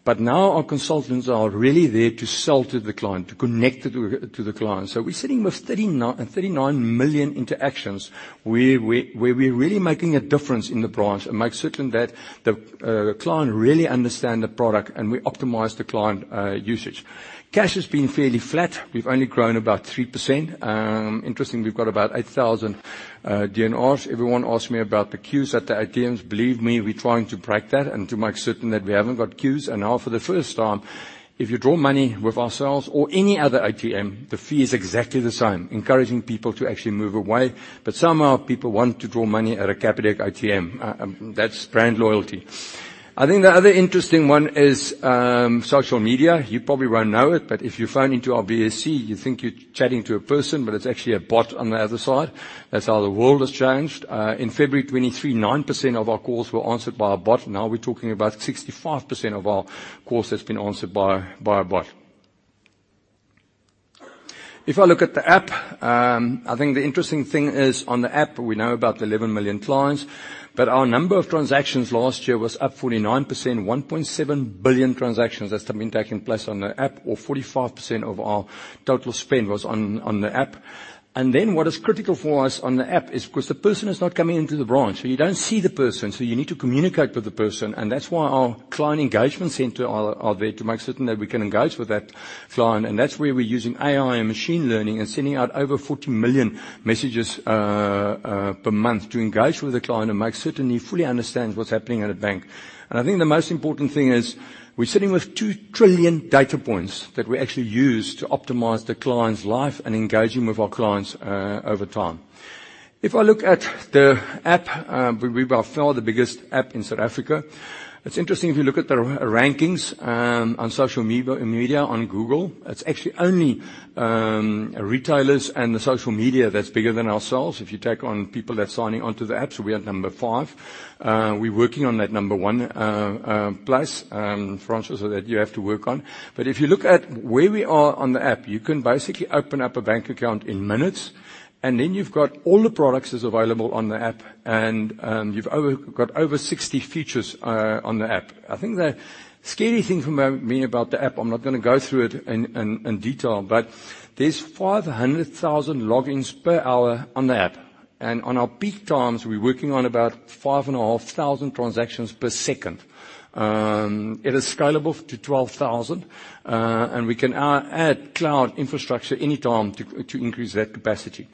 S3: but now our consultants are really there to sell to the client, to connect to the client. So we're sitting with 39, 39 million interactions, where we, where we're really making a difference in the branch and make certain that the client really understand the product and we optimize the client usage. Cash has been fairly flat. We've only grown about 3%. Interestingly, we've got about 8,000 DNRs. Everyone asks me about the queues at the ATMs. Believe me, we're trying to break that and to make certain that we haven't got queues. And now, for the first time, if you draw money with ourselves or any other ATM, the fee is exactly the same, encouraging people to actually move away. But somehow, people want to draw money at a Capitec ATM. That's brand loyalty. I think the other interesting one is social media. You probably won't know it, but if you phone into our VSC, you think you're chatting to a person, but it's actually a bot on the other side. That's how the world has changed. In February 2023, 9% of our calls were answered by a bot. Now we're talking about 65% of our calls has been answered by a bot. If I look at the app, I think the interesting thing is on the app, we know about 11 million clients, but our number of transactions last year was up 49%, 1.7 billion transactions that have been taking place on the app, or 45% of our total spend was on the app. And then what is critical for us on the app is because the person is not coming into the branch, so you don't see the person, so you need to communicate with the person, and that's why our client engagement center are there to make certain that we can engage with that client. And that's where we're using AI and machine learning and sending out over 40 million messages per month to engage with the client and make certain he fully understands what's happening at a bank. I think the most important thing is we're sitting with 2 trillion data points that we actually use to optimize the client's life and engaging with our clients over time. If I look at the app, we are by far the biggest app in South Africa. It's interesting if you look at the rankings on social media on Google, it's actually only retailers and the social media that's bigger than ourselves. If you take on people that are signing on to the app, so we are at number 5. We're working on that number 1 place, Francois, so that you have to work on. But if you look at where we are on the app, you can basically open up a bank account in minutes, and then you've got all the products is available on the app, and you've got over 60 features on the app. I think the scary thing for me about the app, I'm not gonna go through it in detail, but there's 500,000 logins per hour on the app, and on our peak times, we're working on about 5,500 transactions per second. It is scalable to 12,000, and we can add cloud infrastructure anytime to increase that capacity.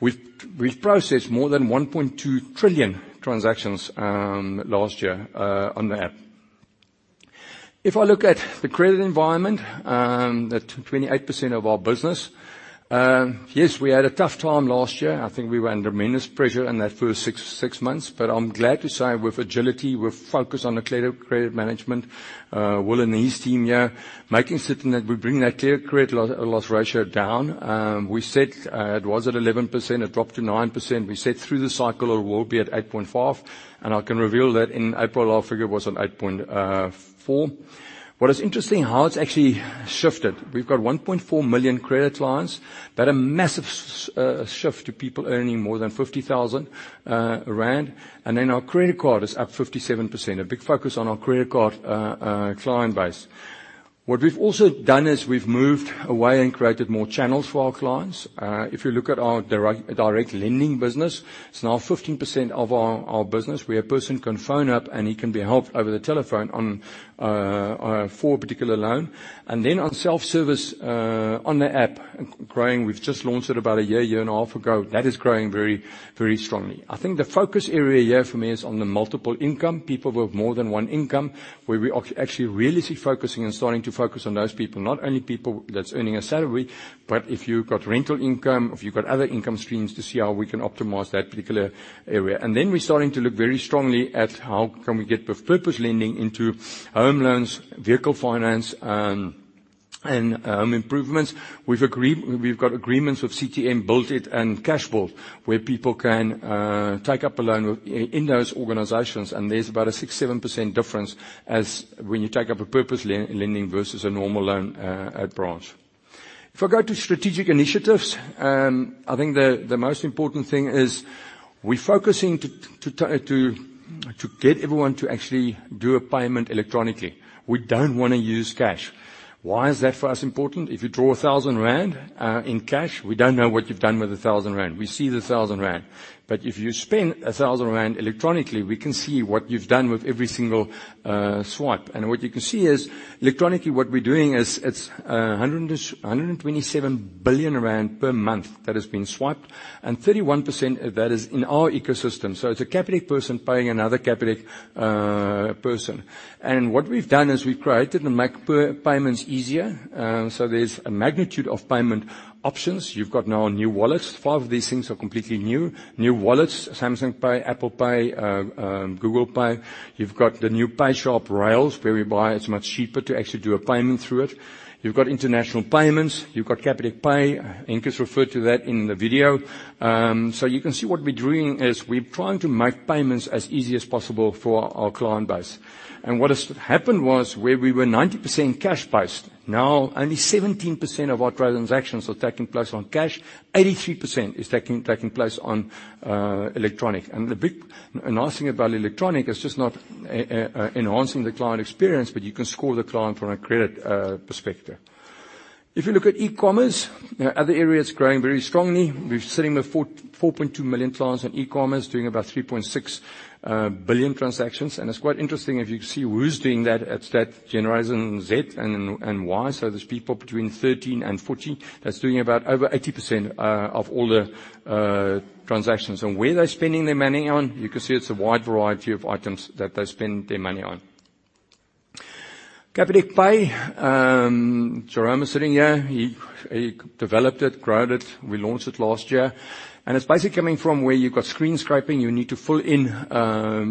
S3: We've processed more than 1.2 trillion transactions last year on the app. If I look at the credit environment, that 28% of our business, yes, we had a tough time last year. I think we were under tremendous pressure in that first six months. But I'm glad to say with agility, with focus on the credit management, Will and his team here, making certain that we bring that credit loss ratio down. We said, it was at 11%, it dropped to 9%. We said through the cycle, it will be at 8.5, and I can reveal that in April, our figure was at 8.4. What is interesting, how it's actually shifted. We've got 1.4 million credit clients, but a massive shift to people earning more than 50,000 rand, and then our credit card is up 57%. A big focus on our credit card client base. What we've also done is we've moved away and created more channels for our clients. If you look at our direct lending business, it's now 15% of our business, where a person can phone up and he can be helped over the telephone for a particular loan. And then on self-service on the app, growing, we've just launched it about a year and a half ago. That is growing very, very strongly. I think the focus area here for me is on the multiple income, people with more than one income, where we actually really see focusing and starting to focus on those people. Not only people that's earning a salary, but if you've got rental income, if you've got other income streams, to see how we can optimize that particular area. And then we're starting to look very strongly at how can we get the purpose lending into home loans, vehicle finance, and improvements. We've got agreements with CTM, Build It, and Cashbuild, where people can take up a loan within those organizations, and there's about a 6%-7% difference as when you take up a purpose lending versus a normal loan at branch. If I go to strategic initiatives, I think the most important thing is we're focusing to get everyone to actually do a payment electronically. We don't want to use cash. Why is that for us important? If you draw 1,000 rand in cash, we don't know what you've done with the 1,000 rand. We see the 1,000 rand. But if you spend 1,000 rand electronically, we can see what you've done with every single swipe. And what you can see is, electronically, what we're doing is it's 127 billion rand per month that has been swiped, and 31% of that is in our ecosystem. So it's a Capitec person paying another Capitec person. And what we've done is we've created to make payments easier. So there's a magnitude of payment options. You've got now new wallets. 5 of these things are completely new. New wallets, Samsung Pay, Apple Pay, Google Pay. You've got the new PayShap rails, whereby it's much cheaper to actually do a payment through it. You've got international payments. You've got Capitec Pay. I think it's referred to that in the video. So you can see what we're doing is we're trying to make payments as easy as possible for our client base. And what has happened was, where we were 90% cash-based, now only 17% of our transactions are taking place on cash. 83% is taking place on electronic. And the big nice thing about electronic is just not enhancing the client experience, but you can score the client from a credit perspective. If you look at e-commerce, other areas growing very strongly. We're sitting with 4.2 million clients in e-commerce, doing about 3.6 billion transactions. It's quite interesting if you can see who's doing that, it's that Generation Z and Y. So there's people between 13 and 14 that's doing about over 80% of all the transactions. And where they're spending their money on, you can see it's a wide variety of items that they spend their money on. Capitec Pay, Jerome is sitting here. He developed it, grew it. We launched it last year, and it's basically coming from where you've got screen scraping. You need to fill in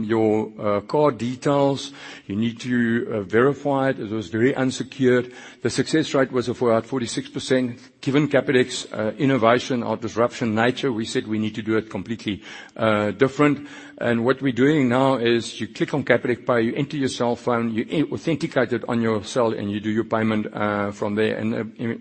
S3: your card details. You need to verify it. It was very unsecured. The success rate was about 46%. Given Capitec's innovation or disruption nature, we said we need to do it completely different. What we're doing now is you click on Capitec Pay, you enter your cell phone, you authenticate it on your cell, and you do your payment from there.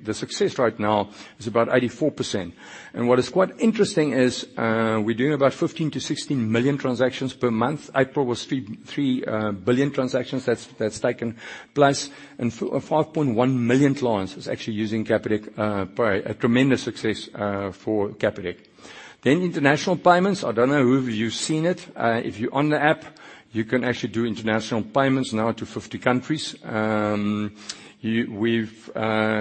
S3: The success rate now is about 84%. What is quite interesting is we're doing about 15-16 million transactions per month. April was 3 billion transactions that's taken place, and 5.1 million clients is actually using Capitec Pay, a tremendous success for Capitec. Then international payments. I don't know whether you've seen it. If you're on the app, you can actually do international payments now to 50 countries. We've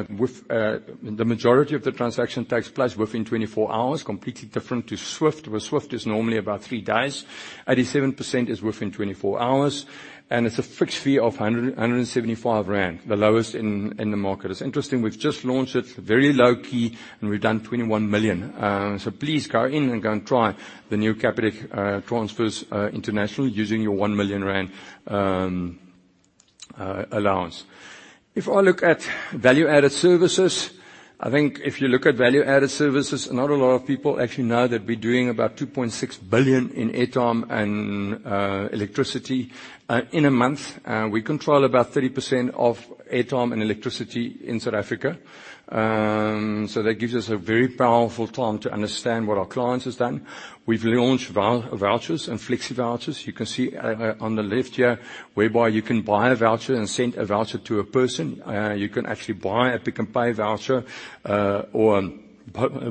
S3: with the majority of the transaction takes place within 24 hours, completely different to SWIFT, where SWIFT is normally about 3 days. 87% is within 24 hours, and it's a fixed fee of 175 rand, the lowest in the market. It's interesting, we've just launched it, very low key, and we've done 21 million. So please go in and go and try the new Capitec international transfers, using your 1 million rand allowance. If I look at value-added services, I think if you look at value-added services, not a lot of people actually know that we're doing about 2.6 billion in airtime and electricity in a month. We control about 30% of airtime and electricity in South Africa. So that gives us a very powerful tool to understand what our clients has done. We've launched vouchers and Flexi vouchers. You can see, on the left here, whereby you can buy a voucher and send a voucher to a person. You can actually buy a Pick n Pay voucher, or a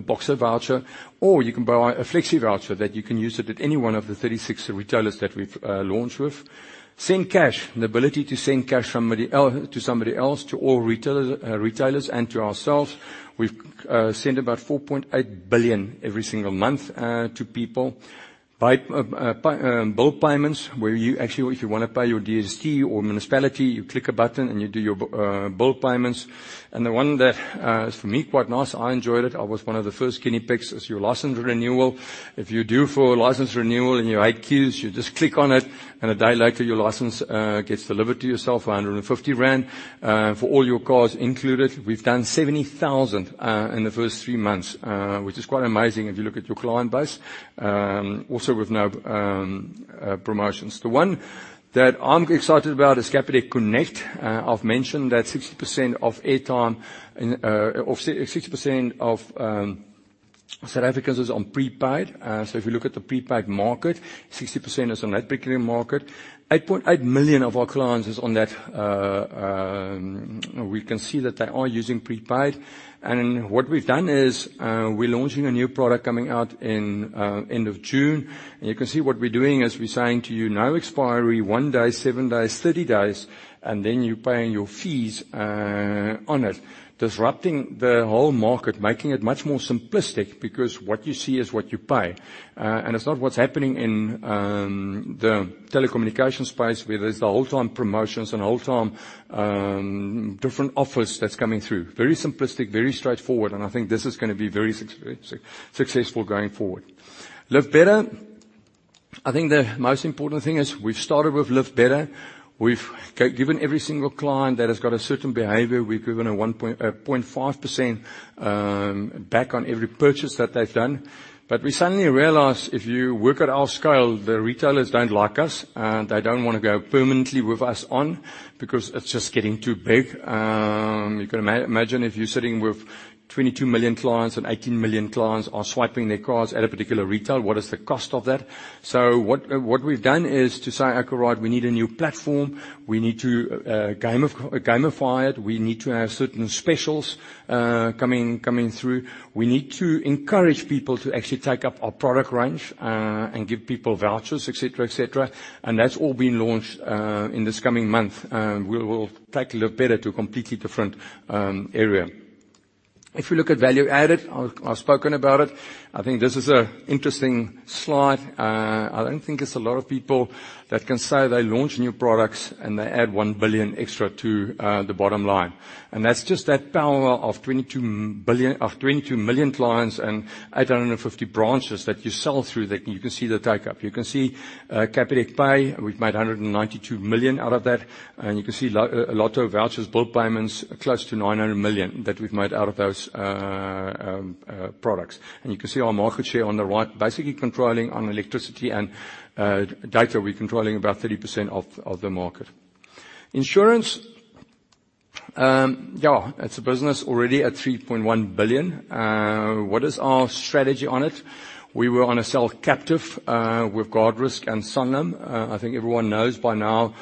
S3: Boxer voucher, or you can buy a Flexi voucher that you can use it at any one of the 36 retailers that we've launched with. Send Cash, the ability to send cash to somebody else, to all retailers and to ourselves. We've sent about 4.8 billion every single month to people. By bill payments, where you actually, if you want to pay your DStv or municipality, you click a button, and you do your bill payments. And the one that is for me, quite nice, I enjoyed it. I was one of the first guinea pigs, is your license renewal. If you're due for a license renewal and you hate queues, you just click on it, and a day later, your license gets delivered to yourself for 150 rand for all your cars included. We've done 70,000 in the first three months, which is quite amazing if you look at your client base. Also with no promotions. The one that I'm excited about is Capitec Connect. I've mentioned that 60% of airtime and or 60% of South Africans is on prepaid. So if you look at the prepaid market, 60% is on that particular market. 8.8 million of our clients is on that. We can see that they are using prepaid. What we've done is, we're launching a new product coming out in end of June. You can see what we're doing is we're saying to you, no expiry, 1 day, 7 days, 30 days, and then you're paying your fees on it. Disrupting the whole market, making it much more simplistic, because what you see is what you pay. It's not what's happening in the telecommunication space, where there's the whole time promotions and whole time different offers that's coming through. Very simplistic, very straightforward, and I think this is gonna be very successful going forward. Live Better, I think the most important thing is we've started with Live Better. We've given every single client that has got a certain behavior, we've given a 1.5% back on every purchase that they've done. But we suddenly realize if you work at our scale, the retailers don't like us, and they don't want to go permanently with us on because it's just getting too big. You can imagine if you're sitting with 22 million clients and 18 million clients are swiping their cards at a particular retail, what is the cost of that? So what we've done is to say, "Okay, right, we need a new platform. We need to gamify it. We need to have certain specials coming through. We need to encourage people to actually take up our product range and give people vouchers," et cetera, et cetera. And that's all been launched in this coming month. We will take Live Better to a completely different area. If you look at value added, I've spoken about it. I think this is an interesting slide. I don't think there's a lot of people that can say they launch new products, and they add 1 billion extra to the bottom line. And that's just that power of 22 billion of 22 million clients and 850 branches that you sell through, that you can see the take up. You can see, Capitec Pay, we've made 192 million out of that. And you can see Lotto vouchers, bill payments, close to 900 million that we've made out of those products. And you can see our market share on the right, basically controlling on electricity and data. We're controlling about 30% of the market. Insurance, yeah, it's a business already at 3.1 billion. What is our strategy on it? We were on a cell captive with Guardrisk and Sanlam. I think everyone knows by now,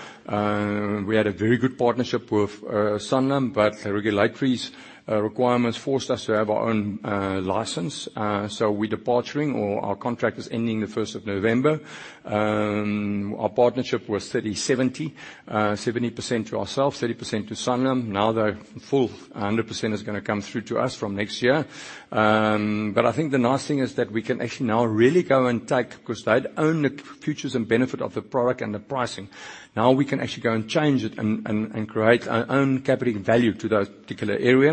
S3: we had a very good partnership with Sanlam, but the regulators' requirements forced us to have our own license. So we're departing, or our contract is ending the 1st of November. Our partnership was 30-70. 70% to ourselves, 30% to Sanlam. Now, the full 100% is gonna come through to us from next year. But I think the nice thing is that we can actually now really go and take, because they'd own the futures and benefit of the product and the pricing. Now, we can actually go and change it and create our own Capitec value to that particular area.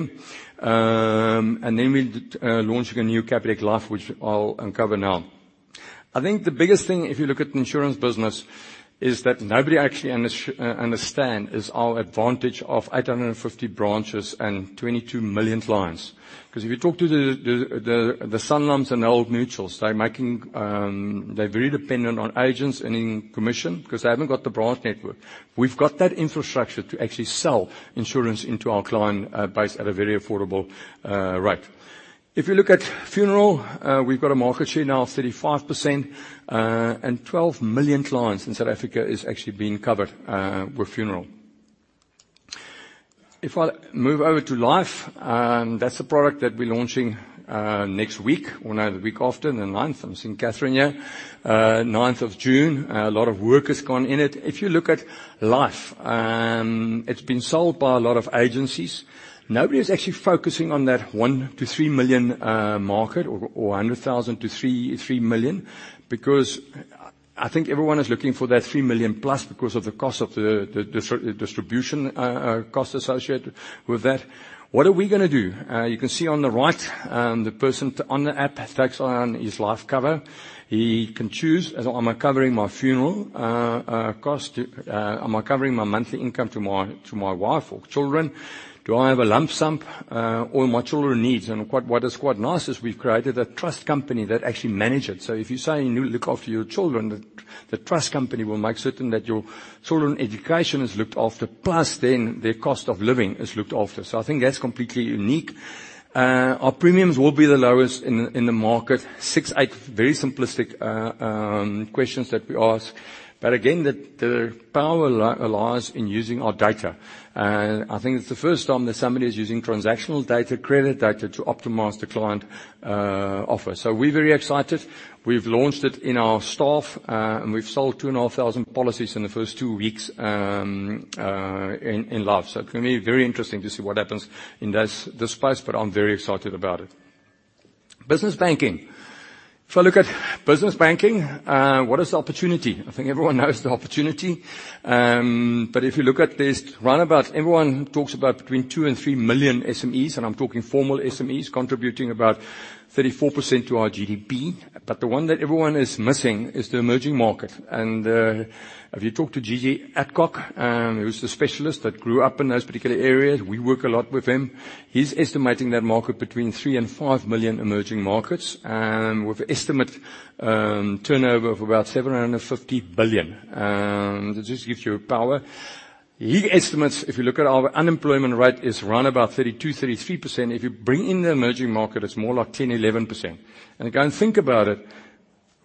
S3: And then we're launching a new Capitec Life, which I'll cover now. I think the biggest thing, if you look at the insurance business, is that nobody actually understand is our advantage of 850 branches and 22 million clients. Because if you talk to the Sanlams and the Old Mutuals, they're making, they're very dependent on agents and in commission because they haven't got the branch network. We've got that infrastructure to actually sell insurance into our client base at a very affordable rate. If you look at Funeral, we've got a market share now of 35%, and 12 million clients in South Africa is actually being covered with Funeral. If I move over to Life, that's a product that we're launching next week, or no, the week after the ninth. I'm seeing Catherine here. 9th of June. A lot of work has gone in it. If you look at Life, it's been sold by a lot of agencies. Nobody is actually focusing on that 1-3 million market or 100,000-3 million, because I think everyone is looking for that 3 million+ because of the cost of the distribution cost associated with that. What are we gonna do? You can see on the right, the person on the app takes on his life cover. He can choose, am I covering my funeral cost? Am I covering my monthly income to my wife or children? Do I have a lump sum all my children needs? And what is quite nice is we've created a trust company that actually manage it. So if you say you look after your children, the trust company will make certain that your children education is looked after, plus then their cost of living is looked after. So I think that's completely unique. Our premiums will be the lowest in the market. 6-8 very simplistic questions that we ask. But again, the power lies in using our data. I think it's the first time that somebody is using transactional data, credit data, to optimize the client offer. So we're very excited. We've launched it in our staff, and we've sold 2,500 policies in the first 2 weeks in Life. So it's gonna be very interesting to see what happens in this space, but I'm very excited about it. Business banking. If I look at business banking, what is the opportunity? I think everyone knows the opportunity. But if you look at this, round about everyone talks about between 2 and 3 million SMEs, and I'm talking formal SMEs, contributing about 34% to our GDP. But the one that everyone is missing is the emerging market. And, if you talk to GG Alcock, who's the specialist that grew up in those particular areas, we work a lot with him. He's estimating that market between 3 and 5 million emerging markets, with an estimate, turnover of about 750 billion. Just gives you a power. He estimates, if you look at our unemployment rate, is around about 32-33%. If you bring in the emerging market, it's more like 10-11%. And again, think about it.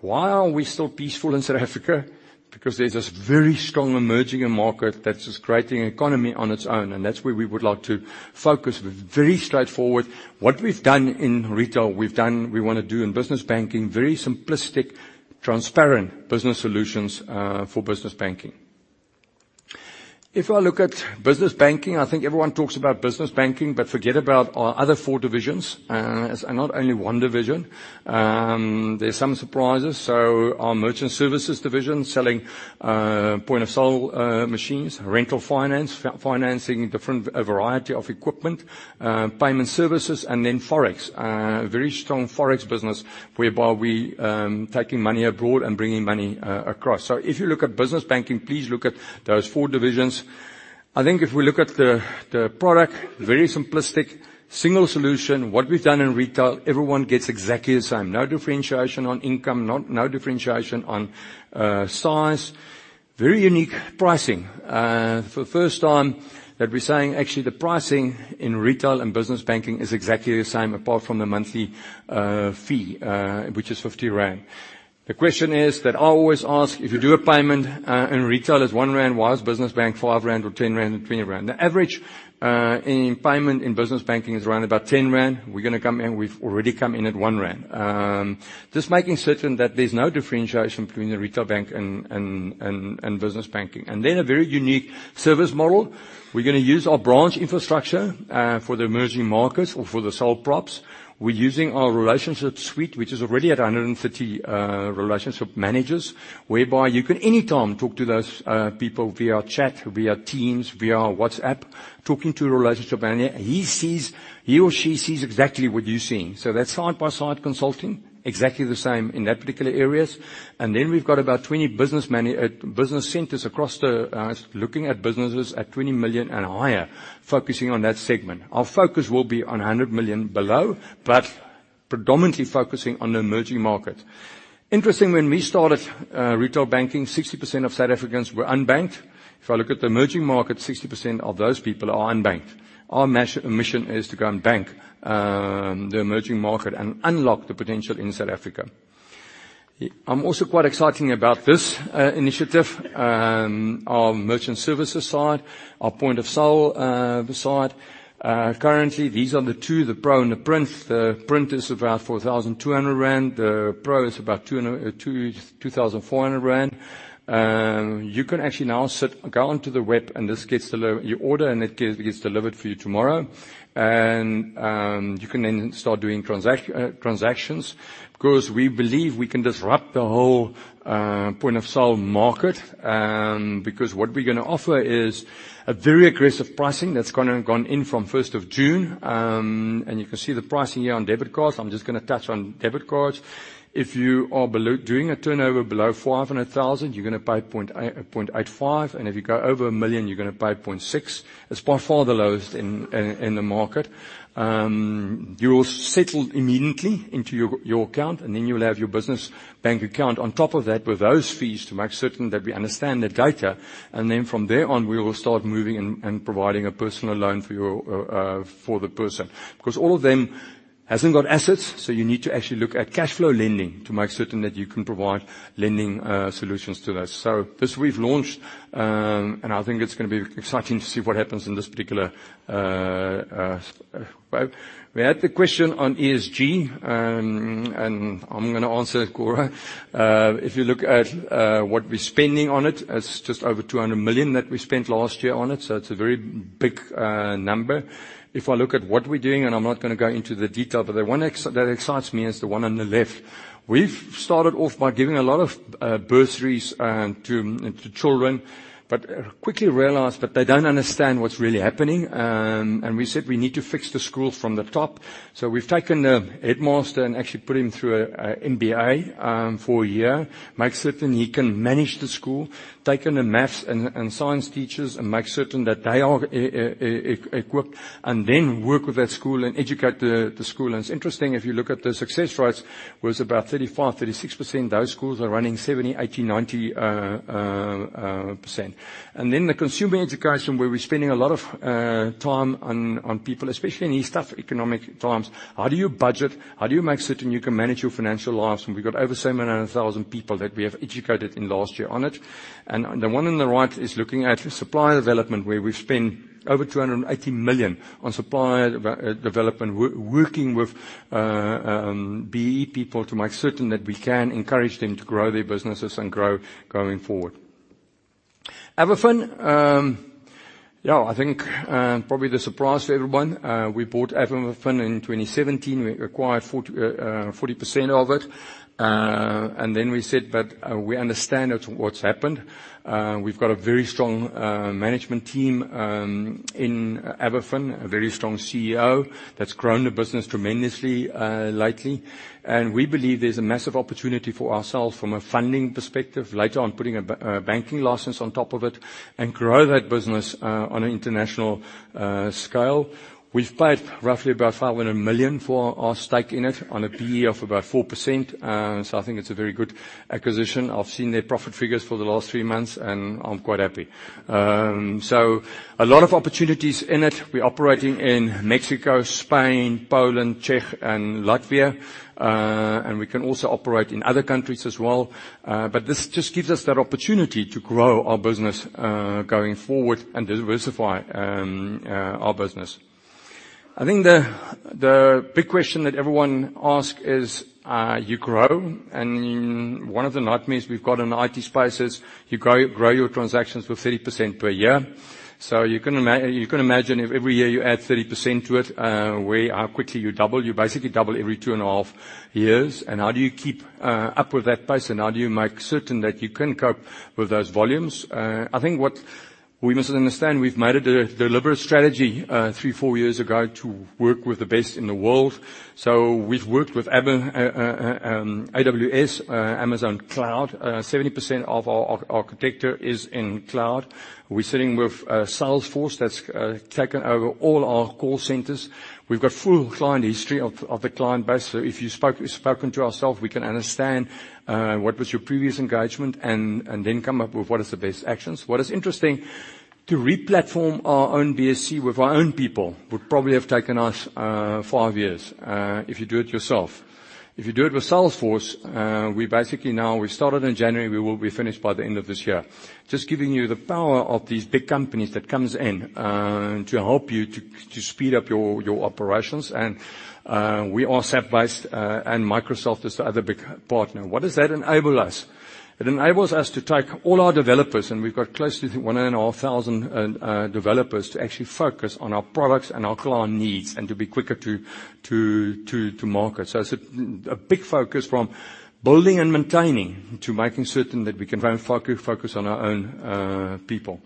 S3: Why are we still peaceful in South Africa? Because there's this very strong emerging market that is creating an economy on its own, and that's where we would like to focus. Very straightforward. What we've done in retail, we've done, we want to do in business banking. Very simplistic, transparent business solutions for business banking. If I look at business banking, I think everyone talks about business banking, but forget about our other four divisions. It's not only one division. There's some surprises. So our merchant services division, selling point-of-sale machines, rental finance, financing different, a variety of equipment, payment services, and then Forex. A very strong Forex business, whereby we taking money abroad and bringing money across. So if you look at business banking, please look at those four divisions. I think if we look at the product, very simplistic, single solution. What we've done in retail, everyone gets exactly the same. No differentiation on income, no differentiation on size. Very unique pricing. For the first time that we're saying, actually, the pricing in retail and business banking is exactly the same, apart from the monthly fee, which is 50 rand. The question is that I always ask, if you do a payment in retail, it's 1 rand, why is business bank 5 rand or 10 rand and 20 rand? The average in payment in business banking is around about 10 rand. We're gonna come in, we've already come in at 1 rand. Just making certain that there's no differentiation between the retail bank and business banking. And then a very unique service model. We're gonna use our branch infrastructure for the emerging markets or for the sole props. We're using our relationship suite, which is already at 130 relationship managers, whereby you can anytime talk to those people via chat, via Teams, via WhatsApp, talking to your relationship manager. He sees... He or she sees exactly what you're seeing. So that's side-by-side consulting, exactly the same in that particular areas. And then we've got about 20 business centers across the, looking at businesses at 20 million and higher, focusing on that segment. Our focus will be on 100 million below, but predominantly focusing on the emerging market. Interesting, when we started retail banking, 60% of South Africans were unbanked. If I look at the emerging market, 60% of those people are unbanked. Our mission is to go and bank the emerging market and unlock the potential in South Africa. I'm also quite exciting about this initiative. Our merchant services side, our point of sale side. Currently, these are the two, the Pro and the Print. The Print is about 4,200 rand. The Pro is about 2,400 rand. You can actually now sit, go onto the web, and you order, and it gets delivered for you tomorrow. And you can then start doing transactions. Because we believe we can disrupt the whole point of sale market. Because what we're gonna offer is a very aggressive pricing that's gonna gone in from 1st of June. And you can see the pricing here on debit cards. I'm just gonna touch on debit cards. If you are doing a turnover below 500,000, you're gonna pay 0.8, 0.85, and if you go over 1 million, you're gonna pay 0.6. It's by far the lowest in the market. You will settle immediately into your account, and then you'll have your business bank account on top of that with those fees to make certain that we understand the data. And then from there on, we will start moving and providing a personal loan for your, for the person. Because all of them hasn't got assets, so you need to actually look at cash flow lending to make certain that you can provide lending solutions to those. So this we've launched, and I think it's gonna be exciting to see what happens in this particular way. We had the question on ESG, and I'm gonna answer it, Cora. If you look at what we're spending on it, it's just over 200 million that we spent last year on it, so it's a very big number. If I look at what we're doing, and I'm not gonna go into the detail, but the one that excites me is the one on the left. We've started off by giving a lot of bursaries to children, but quickly realized that they don't understand what's really happening. And we said we need to fix the school from the top. So we've taken the headmaster and actually put him through a MBA for a year, make certain he can manage the school. Taken the math and science teachers and make certain that they are equipped, and then work with that school and educate the school. And it's interesting, if you look at the success rates, was about 35-36%. Those schools are running 70, 80, 90%. And then the consumer education, where we're spending a lot of time on people, especially in these tough economic times. How do you budget? How do you make certain you can manage your financial lives? And we've got over 700,000 people that we have educated in last year on it. And the one on the right is looking at supplier development, where we've spent over 280 million on supplier development. Working with BEE people to make certain that we can encourage them to grow their businesses and grow going forward. AvaFin, yeah, I think probably the surprise to everyone, we bought AvaFin in 2017. We acquired 40% of it. And then we said that we understand it, what's happened. We've got a very strong management team in AvaFin, a very strong CEO that's grown the business tremendously lately. And we believe there's a massive opportunity for ourselves from a funding perspective, later on, putting a banking license on top of it and grow that business on an international scale. We've paid roughly about 500 million for our stake in it on a PE of about 4%. So I think it's a very good acquisition. I've seen their profit figures for the last three months, and I'm quite happy. So a lot of opportunities in it. We're operating in Mexico, Spain, Poland, Czech, and Latvia. And we can also operate in other countries as well. But this just gives us that opportunity to grow our business going forward and diversify our business. I think the big question that everyone ask is you grow, and one of the nightmares we've got in the IT space is you grow your transactions with 30% per year. So you can imagine if every year you add 30% to it, where, how quickly you double. You basically double every 2.5 years. And how do you keep up with that pace, and how do you make certain that you can cope with those volumes? I think what we must understand, we've made a deliberate strategy 3-4 years ago to work with the best in the world. So we've worked with AWS, Amazon Cloud. 70% of our architecture is in cloud. We're sitting with Salesforce. That's taken over all our call centers. We've got full client history of the client base. So if you've spoken to ourself, we can understand what was your previous engagement and then come up with what is the best actions. What is interesting, to re-platform our own BSC with our own people would probably have taken us five years if you do it yourself. If you do it with Salesforce, we basically now... We started in January. We will be finished by the end of this year. Just giving you the power of these big companies that comes in to help you to speed up your operations. We are SAP-based, and Microsoft is the other big partner. What does that enable us? It enables us to take all our developers, and we've got close to 1,500 developers, to actually focus on our products and our client needs and to be quicker to market. So it's a big focus from building and maintaining, to making certain that we can go and focus on our own people.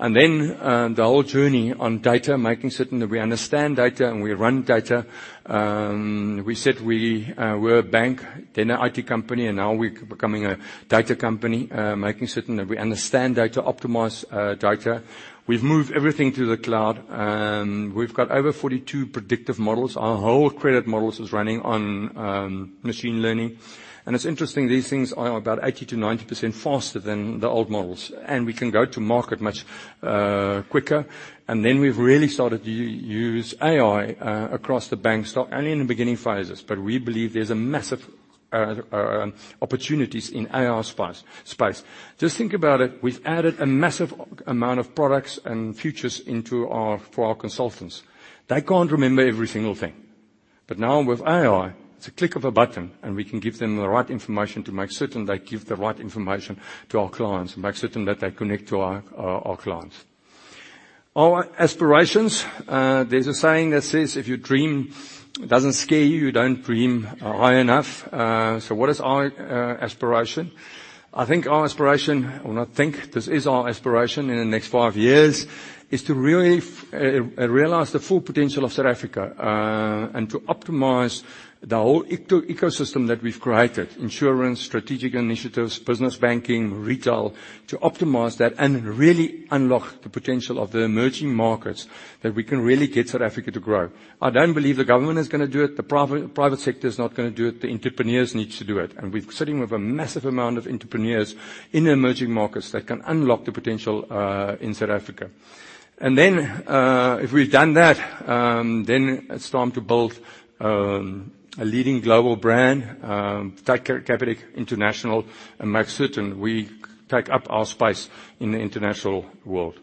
S3: And then the whole journey on data, making certain that we understand data and we run data. We said we're a bank, then an IT company, and now we're becoming a data company, making certain that we understand data, optimize data. We've moved everything to the cloud. We've got over 42 predictive models. Our whole credit models is running on machine learning. And it's interesting, these things are about 80%-90% faster than the old models, and we can go to market much quicker. And then we've really started to use AI across the bank stock, only in the beginning phases, but we believe there's a massive op-... Opportunities in AI space. Just think about it, we've added a massive amount of products and features into our-- for our consultants. They can't remember every single thing. But now with AI, it's a click of a button, and we can give them the right information to make certain they give the right information to our clients, and make certain that they connect to our, our clients. Our aspirations, there's a saying that says, "If your dream doesn't scare you, you don't dream high enough." So what is our, aspiration? I think our aspiration... Well, not think, this is our aspiration in the next five years, is to really realize the full potential of South Africa, and to optimize the whole eco-ecosystem that we've created: insurance, strategic initiatives, business banking, retail. To optimize that and really unlock the potential of the emerging markets, that we can really get South Africa to grow. I don't believe the government is gonna do it, the private sector is not gonna do it, the entrepreneurs need to do it. And we're sitting with a massive amount of entrepreneurs in the emerging markets that can unlock the potential in South Africa. And then, if we've done that, then it's time to build a leading global brand, take Capitec international, and make certain we take up our space in the international world.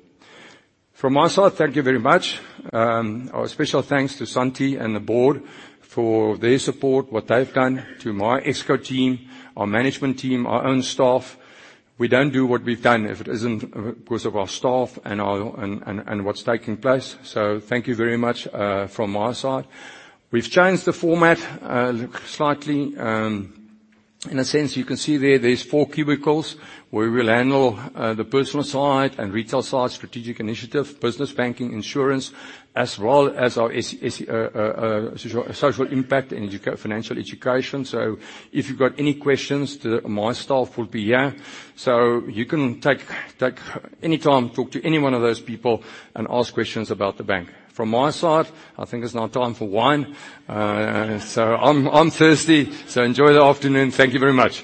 S3: From my side, thank you very much. Our special thanks to Santie and the board for their support, what they've done. To my Exco team, our management team, our own staff, we don't do what we've done if it isn't because of our staff and our... what's taking place. So thank you very much, from my side. We've changed the format slightly. In a sense, you can see there, there's four cubicles, where we'll handle the personal side and retail side, strategic initiative, business banking, insurance, as well as our social impact and financial education. So if you've got any questions, my staff will be here. So you can take any time, talk to any one of those people and ask questions about the bank. From my side, I think it's now time for wine. So I'm thirsty, so enjoy the afternoon. Thank you very much.